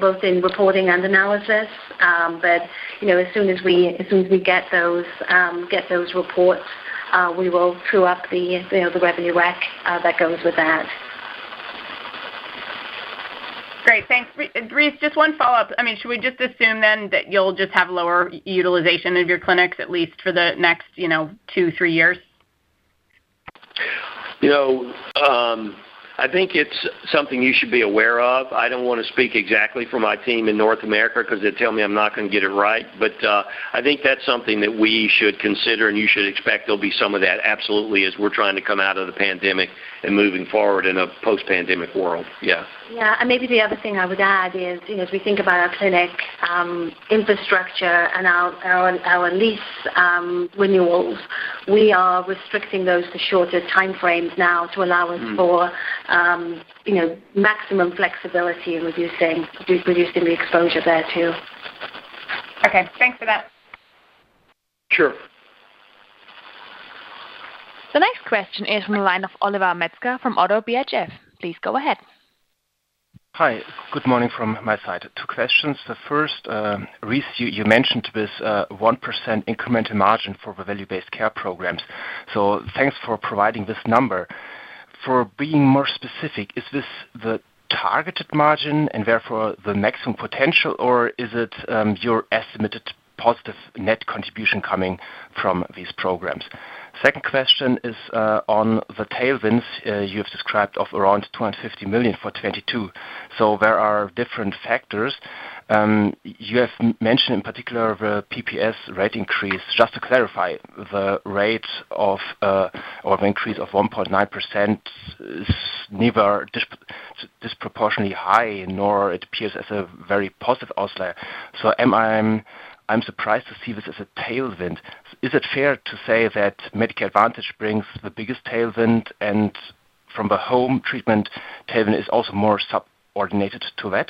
both in reporting and analysis. As soon as we get those reports, we will true up the revenue rec that goes with that. Great. Thanks. Rice, just one follow-up. I mean, should we just assume then that you'll just have lower utilization of your clinics, at least for the next, you know, two, three years? You know, I think it's something you should be aware of. I don't wanna speak exactly for my team in North America because they tell me I'm not gonna get it right. I think that's something that we should consider, and you should expect there'll be some of that, absolutely, as we're trying to come out of the pandemic and moving forward in a post-pandemic world. Yeah. Yeah. Maybe the other thing I would add is, you know, as we think about our clinic infrastructure and our lease renewals, we are restricting those to shorter time frames now to allow us for- Mm. You know, maximum flexibility in reducing the exposure there too. Okay. Thanks for that. Sure. The next question is from the line of Oliver Metzger from ODDO BHF. Please go ahead. Hi. Good morning from my side. Two questions. The first, Rice, you mentioned this 1% incremental margin for the value-based care programs. Thanks for providing this number. To be more specific, is this the targeted margin and therefore the maximum potential, or is it your estimated positive net contribution coming from these programs? Second question is on the tailwinds you have described of around 250 million for 2022. There are different factors. You have mentioned in particular the PPS rate increase. Just to clarify, the rate of or the increase of 1.9% is never disproportionately high, nor it appears as a very positive outlier. I'm surprised to see this as a tailwind. Is it fair to say that Medicare Advantage brings the biggest tailwind, and from the home treatment, tailwind is also more subordinated to that?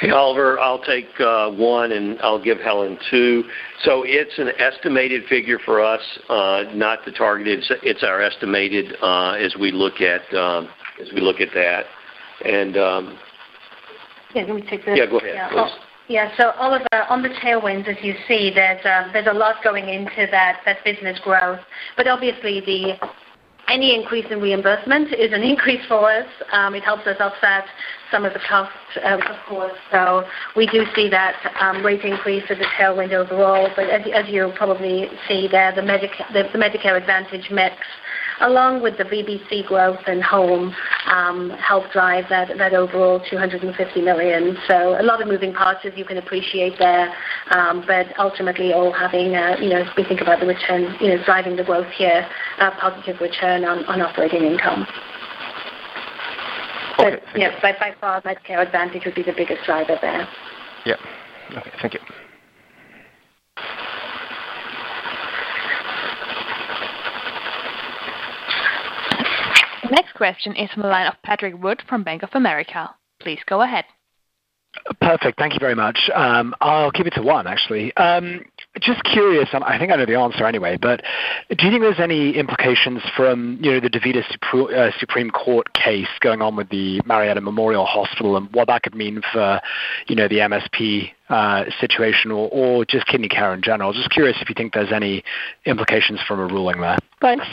Hey, Oliver. I'll take one, and I'll give Helen two. It's an estimated figure for us, not the targeted. It's our estimated as we look at that. Yeah, let me take that. Yeah, go ahead, please. Yeah. Oliver, on the tailwinds, as you see, there's a lot going into that business growth. But obviously, any increase in reimbursement is an increase for us. It helps us offset some of the costs, of course. We do see that rate increase as a tailwind overall. But as you probably see there, the Medicare Advantage mix, along with the VBC growth and home, help drive that overall 250 million. A lot of moving parts, as you can appreciate there. But ultimately all having a you know as we think about the return you know driving the growth here, a positive return on operating income. Okay. Thank you. Yeah, by far, Medicare Advantage would be the biggest driver there. Yeah. Okay. Thank you. The next question is from the line of Patrick Wood from Bank of America. Please go ahead. Perfect. Thank you very much. I'll keep it to one, actually. Just curious, I think I know the answer anyway, but do you think there's any implications from, you know, the DaVita Supreme Court case going on with the Marietta Memorial Hospital and what that could mean for, you know, the MSP situation or just kidney care in general? Just curious if you think there's any implications from a ruling there. Go ahead.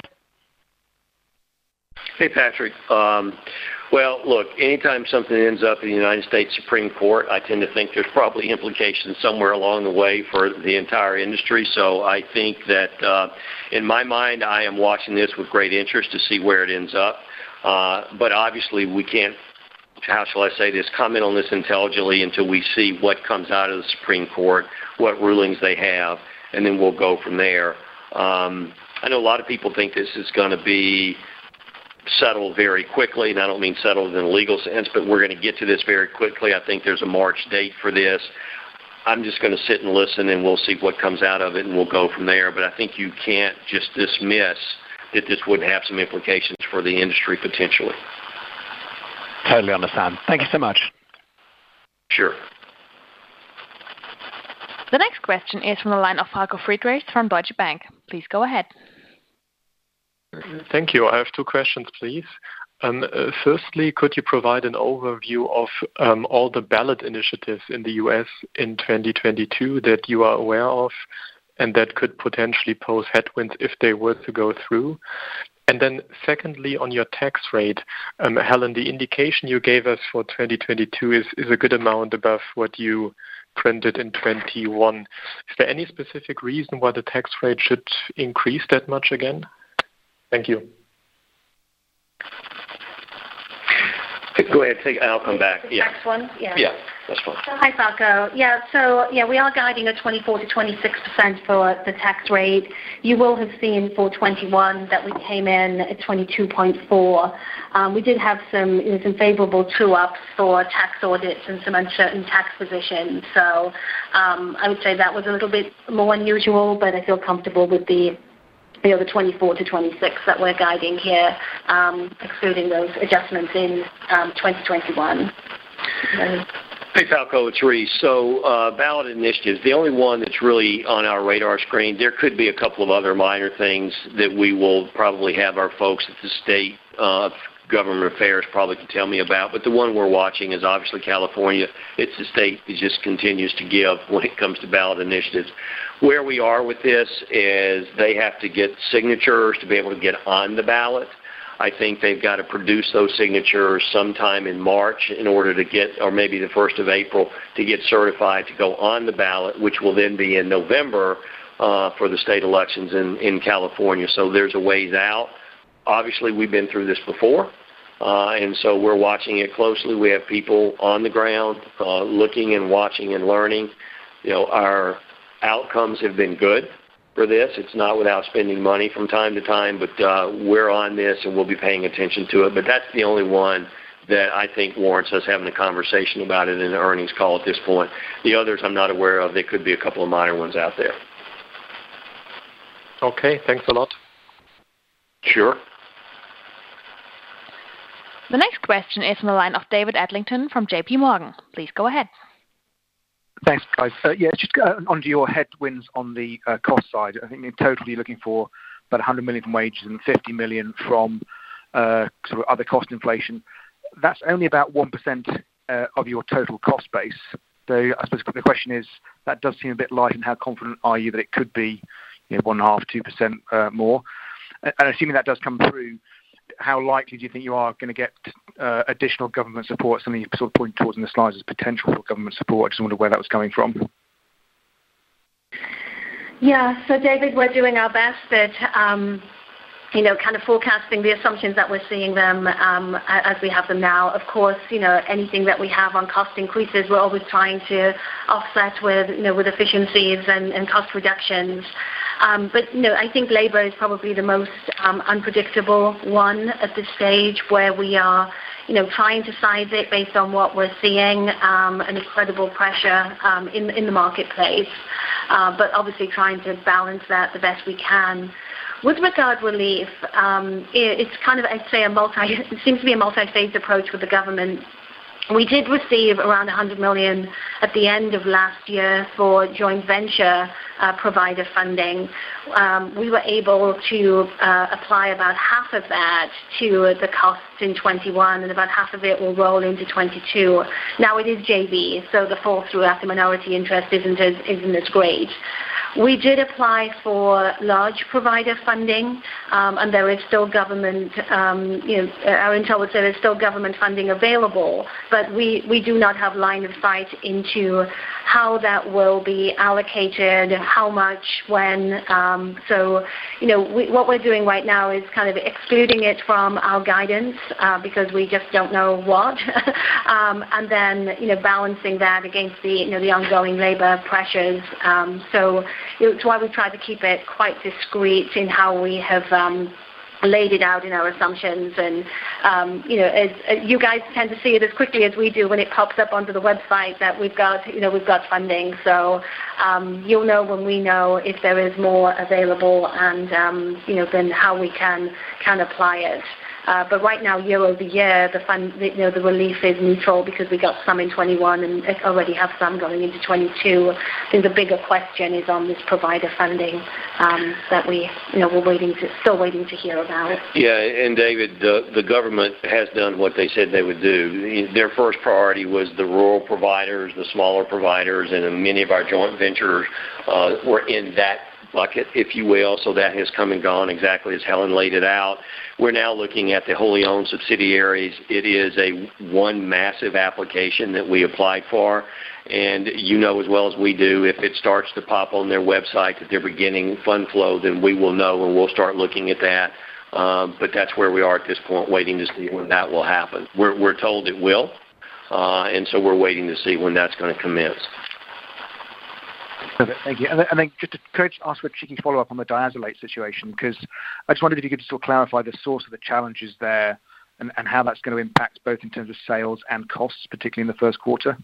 Hey, Patrick. Well, look, anytime something ends up in the United States Supreme Court, I tend to think there's probably implications somewhere along the way for the entire industry. I think that, in my mind, I am watching this with great interest to see where it ends up. Obviously we can't, how shall I say this, comment on this intelligently until we see what comes out of the Supreme Court, what rulings they have, and then we'll go from there. I know a lot of people think this is gonna be settled very quickly, and I don't mean settled in a legal sense, but we're gonna get to this very quickly. I think there's a March date for this. I'm just gonna sit and listen, and we'll see what comes out of it, and we'll go from there. I think you can't just dismiss that this wouldn't have some implications for the industry potentially. totally understand. Thank you so much. Sure. The next question is from the line of Falko Friedrichs from Deutsche Bank. Please go ahead. Thank you. I have two questions, please. First, could you provide an overview of all the ballot initiatives in the U.S. in 2022 that you are aware of and that could potentially pose headwinds if they were to go through? Secondly, on your tax rate, Helen, the indication you gave us for 2022 is a good amount above what you printed in 2021. Is there any specific reason why the tax rate should increase that much again? Thank you. Go ahead. I'll come back. The tax one? Yeah. Yeah, that's fine. Hi, Falko. Yeah, we are guiding 24%-26% for the tax rate. You will have seen for 2021 that we came in at 22.4%. We did have some, you know, some favorable true-ups for tax audits and some uncertain tax positions. I would say that was a little bit more unusual, but I feel comfortable with the, you know, the 24%-26% that we're guiding here, excluding those adjustments in 2021. Hey, Falko, it's Rice. Ballot initiatives, the only one that's really on our radar screen, there could be a couple of other minor things that we will probably have our folks at the state government affairs probably can tell me about. The one we're watching is obviously California. It's a state that just continues to give when it comes to ballot initiatives. Where we are with this is they have to get signatures to be able to get on the ballot. I think they've got to produce those signatures sometime in March in order to get or maybe the first of April to get certified to go on the ballot, which will then be in November for the state elections in California. There's a ways out. Obviously, we've been through this before, and we're watching it closely. We have people on the ground, looking and watching and learning. You know, our outcomes have been good for this. It's not without spending money from time to time, but, we're on this, and we'll be paying attention to it. That's the only one that I think warrants us having a conversation about it in the earnings call at this point. The others I'm not aware of. There could be a couple of minor ones out there. Okay. Thanks a lot. Sure. The next question is from the line of David Adlington from J.P. Morgan. Please go ahead. Thanks, guys. Yeah, just onto your headwinds on the cost side. I think you're totally looking for about 100 million in wages and 50 million from sort of other cost inflation. That's only about 1% of your total cost base. I suppose the question is, that does seem a bit light, and how confident are you that it could be, you know, 1.5%-2% more? And assuming that does come through, how likely do you think you are gonna get additional government support? Something you sort of point towards in the slides as potential for government support. I just wonder where that was coming from. Yeah. David, we're doing our best, but you know, kind of forecasting the assumptions that we're seeing them as we have them now. Of course, you know, anything that we have on cost increases, we're always trying to offset with you know, with efficiencies and cost reductions. You know, I think labor is probably the most unpredictable one at this stage where we are you know, trying to size it based on what we're seeing an incredible pressure in the marketplace, but obviously trying to balance that the best we can. With regard to relief, it's kind of a multi-phase approach with the government. We did receive around $100 million at the end of last year for joint venture provider funding. We were able to apply about half of that to the costs in 2021, and about half of it will roll into 2022. Now it is JV, so the full throughout the minority interest isn't as great. We did apply for large provider funding, and there is still government, you know, our intel would say there's still government funding available. But we do not have line of sight into how that will be allocated, how much, when. So, you know, what we're doing right now is kind of excluding it from our guidance, because we just don't know what. And then, you know, balancing that against the, you know, the ongoing labor pressures. So, you know, it's why we've tried to keep it quite discreet in how we have laid it out in our assumptions. You know, as you guys tend to see it as quickly as we do when it pops up onto the website that we've got, you know, we've got funding. You'll know when we know if there is more available and, you know, then how we can apply it. But right now year-over-year, the fund, you know, the relief is neutral because we got some in 2021, and already have some going into 2022. I think the bigger question is on this provider funding that we're still waiting to hear about. David, the government has done what they said they would do. Their first priority was the rural providers, the smaller providers, and many of our joint ventures were in that bucket, if you will. That has come and gone exactly as Helen laid it out. We're now looking at the wholly owned subsidiaries. It is one massive application that we applied for. You know as well as we do, if it starts to pop on their website that they're beginning fund flow, then we will know, and we'll start looking at that. But that's where we are at this point, waiting to see when that will happen. We're told it will, and we're waiting to see when that's gonna commence. Perfect. Thank you. Could I just ask whether you can follow up on the dialysate situation? Because I just wondered if you could just clarify the source of the challenges there and how that's gonna impact both in terms of sales and costs, particularly in the first quarter.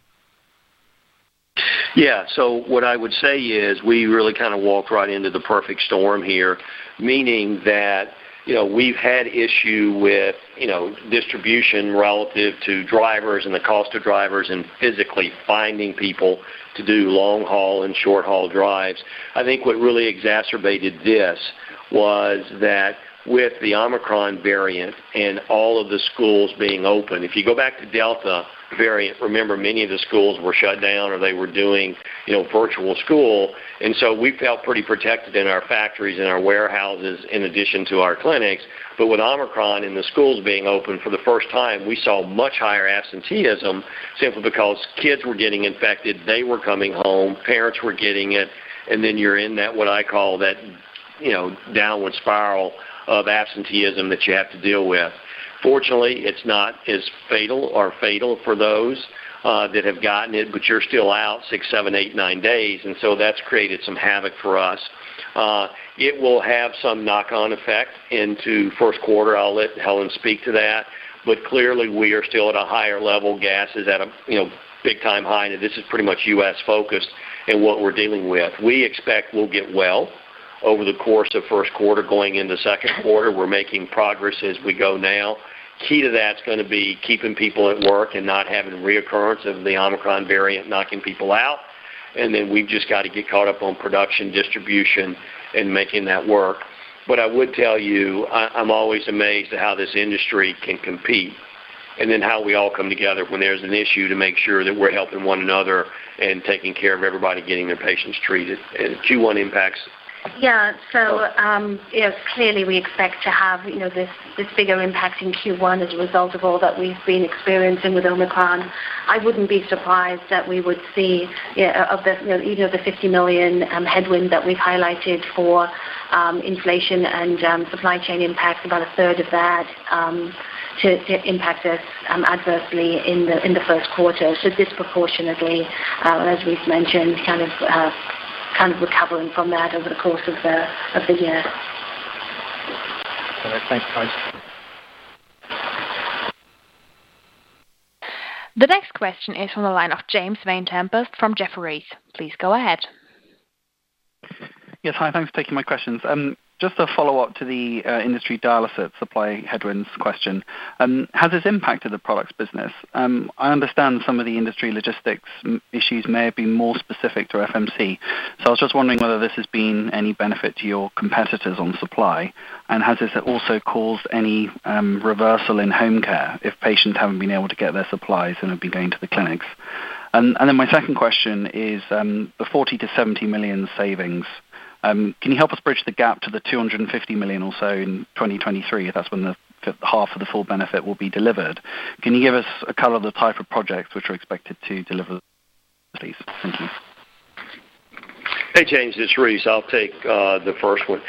Yeah. What I would say is we really kind of walked right into the perfect storm here, meaning that, you know, we've had issue with, you know, distribution relative to drivers and the cost of drivers and physically finding people to do long haul and short haul drives. I think what really exacerbated this was that with the Omicron variant and all of the schools being open, if you go back to Delta variant, remember many of the schools were shut down or they were doing, you know, virtual school. We felt pretty protected in our factories, in our warehouses, in addition to our clinics. With Omicron and the schools being open for the first time, we saw much higher absenteeism simply because kids were getting infected, they were coming home, parents were getting it, and then you're in that what I call that, you know, downward spiral of absenteeism that you have to deal with. Fortunately, it's not as fatal for those that have gotten it, but you're still out six, seven, eight, nine days. That's created some havoc for us. It will have some knock-on effect into first quarter. I'll let Helen speak to that. Clearly, we are still at a higher level. Gas is at a, you know, big time high, and this is pretty much U.S.-focused in what we're dealing with. We expect we'll get well over the course of first quarter going into second quarter. We're making progress as we go now. Key to that's gonna be keeping people at work and not having reoccurrence of the Omicron variant knocking people out. Then we've just got to get caught up on production, distribution, and making that work. What I would tell you, I'm always amazed at how this industry can compete, and then how we all come together when there's an issue to make sure that we're helping one another and taking care of everybody getting their patients treated. Q1 impacts- Clearly we expect to have, you know, this bigger impact in Q1 as a result of all that we've been experiencing with Omicron. I wouldn't be surprised that we would see the 50 million headwind that we've highlighted for inflation and supply chain impact, about a third of that to impact us adversely in the first quarter. Disproportionately, as we've mentioned, kind of recovering from that over the course of the year. All right. Thanks. The next question is from the line of James Vane-Tempest from Jefferies. Please go ahead. Yes. Hi, thanks for taking my questions. Just a follow-up to the industry dialysis supply headwinds question. Has this impacted the products business? I understand some of the industry logistics issues may have been more specific to FMC. So I was just wondering whether this has been any benefit to your competitors on supply. Has this also caused any reversal in home care if patients haven't been able to get their supplies and have been going to the clinics? My second question is the 40 million-70 million savings. Can you help us bridge the gap to the 250 million or so in 2023? That's when the half of the full benefit will be delivered. Can you give us a color of the type of projects which are expected to deliver, please? Thank you. Hey, James, it's Rice. I'll take the first one.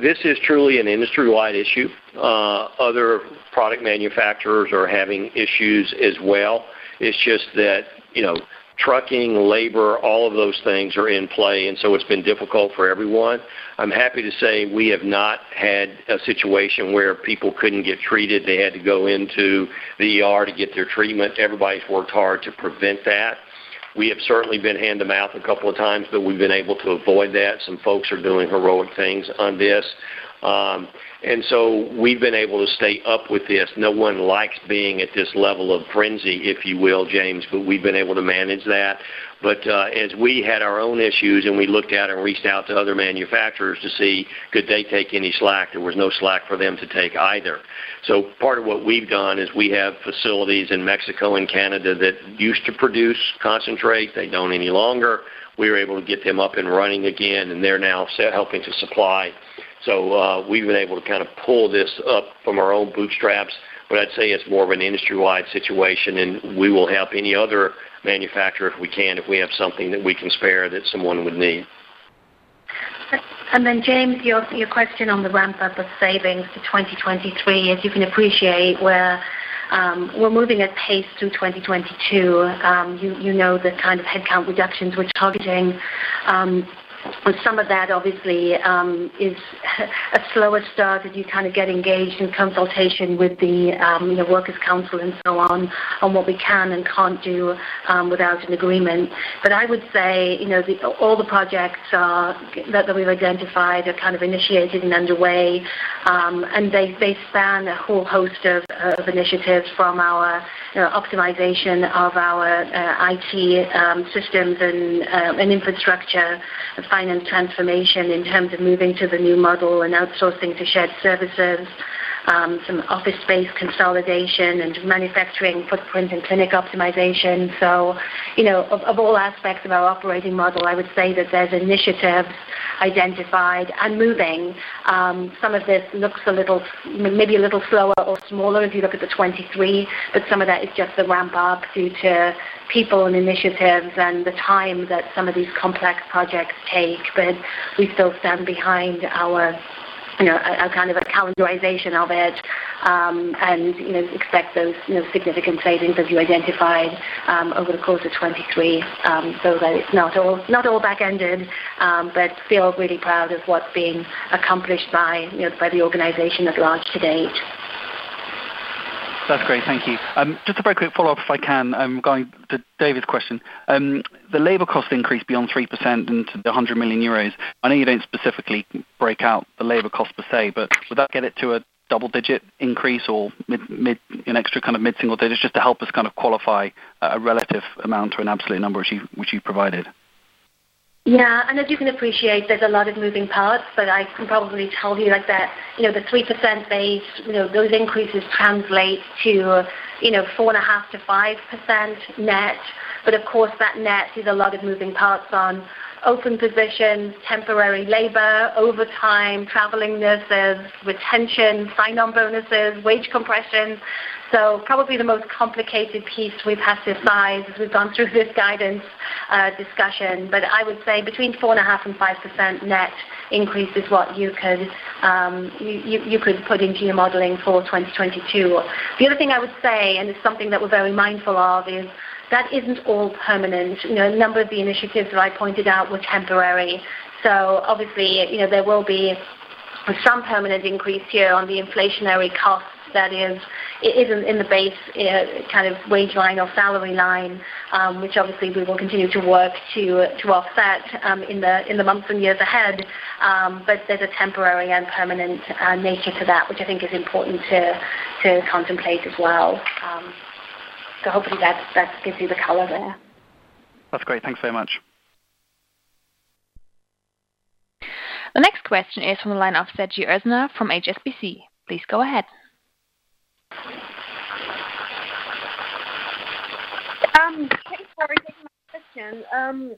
This is truly an industry-wide issue. Other product manufacturers are having issues as well. It's just that, you know, trucking, labor, all of those things are in play, and so it's been difficult for everyone. I'm happy to say we have not had a situation where people couldn't get treated. They had to go into the ER to get their treatment. Everybody's worked hard to prevent that. We have certainly been hand-to-mouth a couple of times, but we've been able to avoid that. Some folks are doing heroic things on this. We've been able to stay up with this. No one likes being at this level of frenzy, if you will, James, but we've been able to manage that. As we had our own issues and we looked at and reached out to other manufacturers to see could they take any slack, there was no slack for them to take either. Part of what we've done is we have facilities in Mexico and Canada that used to produce concentrate. They don't any longer. We were able to get them up and running again, and they're now set helping to supply. We've been able to kind of pull this up from our own bootstraps. I'd say it's more of an industry-wide situation, and we will help any other manufacturer if we can, if we have something that we can spare that someone would need. James, your question on the ramp-up of savings to 2023, as you can appreciate, we're moving at pace through 2022. You know, the kind of headcount reductions we're targeting, but some of that obviously is a slower start as you kind of get engaged in consultation with the, you know, workers' council and so on what we can and can't do, without an agreement. I would say, you know, all the projects that we've identified are kind of initiated and underway, and they span a whole host of initiatives from our, you know, optimization of our IT systems and infrastructure and finance transformation in terms of moving to the new model and outsourcing to shared services, some office space consolidation and manufacturing footprint and clinic optimization. You know, of all aspects of our operating model, I would say that there's initiatives identified and moving. Some of this looks a little, maybe a little slower or smaller if you look at the 2023, but some of that is just the ramp up due to people and initiatives and the time that some of these complex projects take. We still stand behind our, you know, a kind of a calendarization of it, and, you know, expect those, you know, significant savings as you identified over the course of 2023, so that it's not all back-ended, but we feel really proud of what's being accomplished by, you know, by the organization at large to date. That's great. Thank you. Just a very quick follow-up if I can, going to David's question. The labor cost increase beyond 3% and to the 100 million euros. I know you don't specifically break out the labor cost per se, but would that get it to a double-digit increase or mid, an extra kind of mid-single digit? Just to help us kind of qualify a relative amount or an absolute number which you provided. Yeah. As you can appreciate, there's a lot of moving parts. I can probably tell you like that, you know, the 3% base, you know, those increases translate to, you know, 4.5%-5% net. Of course, that net is a lot of moving parts on open positions, temporary labor, overtime, traveling nurses, retention, sign-on bonuses, wage compression. Probably the most complicated piece we've had to size as we've gone through this guidance discussion. I would say between 4.5% and 5% net increase is what you could put into your modeling for 2022. The other thing I would say, and it's something that we're very mindful of, is that isn't all permanent. You know, a number of the initiatives that I pointed out were temporary. Obviously, you know, there will be some permanent increase here on the inflationary costs. That is, it isn't in the base, you know, kind of wage line or salary line, which obviously we will continue to work to offset, in the months and years ahead. Hopefully that gives you the color there. That's great. Thanks so much. The next question is from the line of Sezgi Oezener from HSBC. Please go ahead. Thanks for taking my question.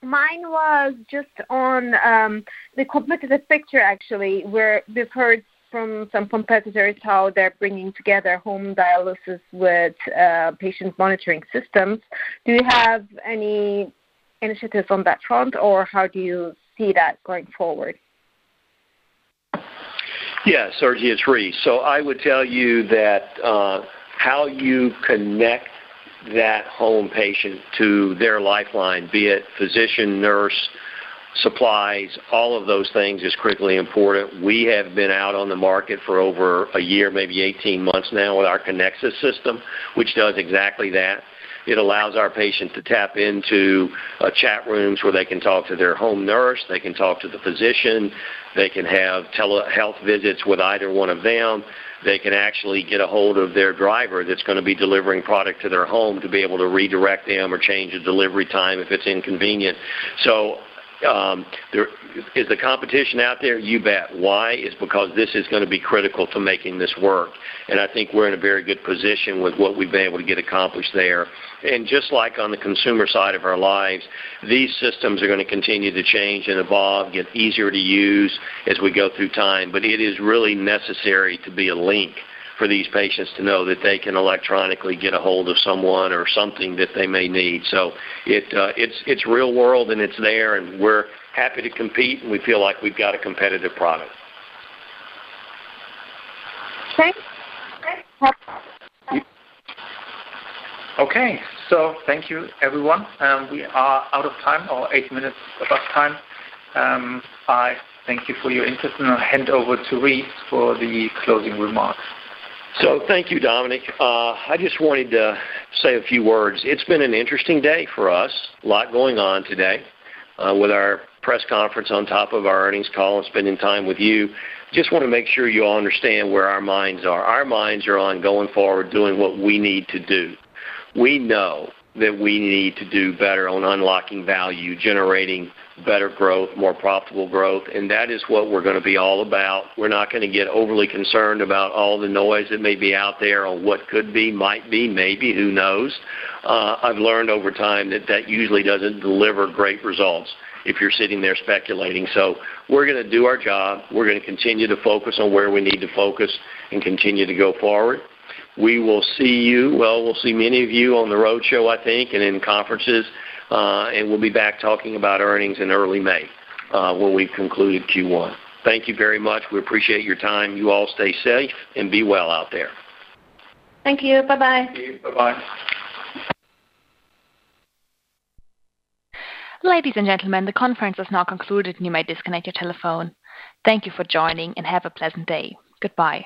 Mine was just on the competitive picture actually, where we've heard from some competitors how they're bringing together home dialysis with patient monitoring systems. Do you have any initiatives on that front, or how do you see that going forward? Yeah, Sezgi, it's Rice. I would tell you that how you connect that home patient to their lifeline, be it physician, nurse, supplies, all of those things is critically important. We have been out on the market for over a year, maybe 18 months now, with our Kinexus system, which does exactly that. It allows our patient to tap into chat rooms where they can talk to their home nurse, they can talk to the physician, they can have telehealth visits with either one of them. They can actually get a hold of their driver that's gonna be delivering product to their home to be able to redirect them or change a delivery time if it's inconvenient. Is there competition out there? You bet. Why? It's because this is gonna be critical to making this work, and I think we're in a very good position with what we've been able to get accomplished there. Just like on the consumer side of our lives, these systems are gonna continue to change and evolve, get easier to use as we go through time. It is really necessary to be a link for these patients to know that they can electronically get ahold of someone or something that they may need. It's real world, and it's there, and we're happy to compete, and we feel like we've got a competitive product. Okay. Thank you, everyone. We are out of time or eight minutes over time. I thank you for your interest, and I'll hand over to Rice for the closing remarks. Thank you, Dominik. I just wanted to say a few words. It's been an interesting day for us. A lot going on today, with our press conference on top of our earnings call and spending time with you. Just wanna make sure you all understand where our minds are. Our minds are on going forward, doing what we need to do. We know that we need to do better on unlocking value, generating better growth, more profitable growth, and that is what we're gonna be all about. We're not gonna get overly concerned about all the noise that may be out there or what could be, might be, maybe, who knows. I've learned over time that usually doesn't deliver great results if you're sitting there speculating. We're gonna do our job. We're gonna continue to focus on where we need to focus and continue to go forward. We will see you. Well, we'll see many of you on the road show, I think, and in conferences. We'll be back talking about earnings in early May, when we've concluded Q1. Thank you very much. We appreciate your time. You all stay safe and be well out there. Thank you. Bye-bye. Thank you. Bye-bye. Ladies and gentlemen, the conference is now concluded. You may disconnect your telephone. Thank you for joining, and have a pleasant day. Goodbye.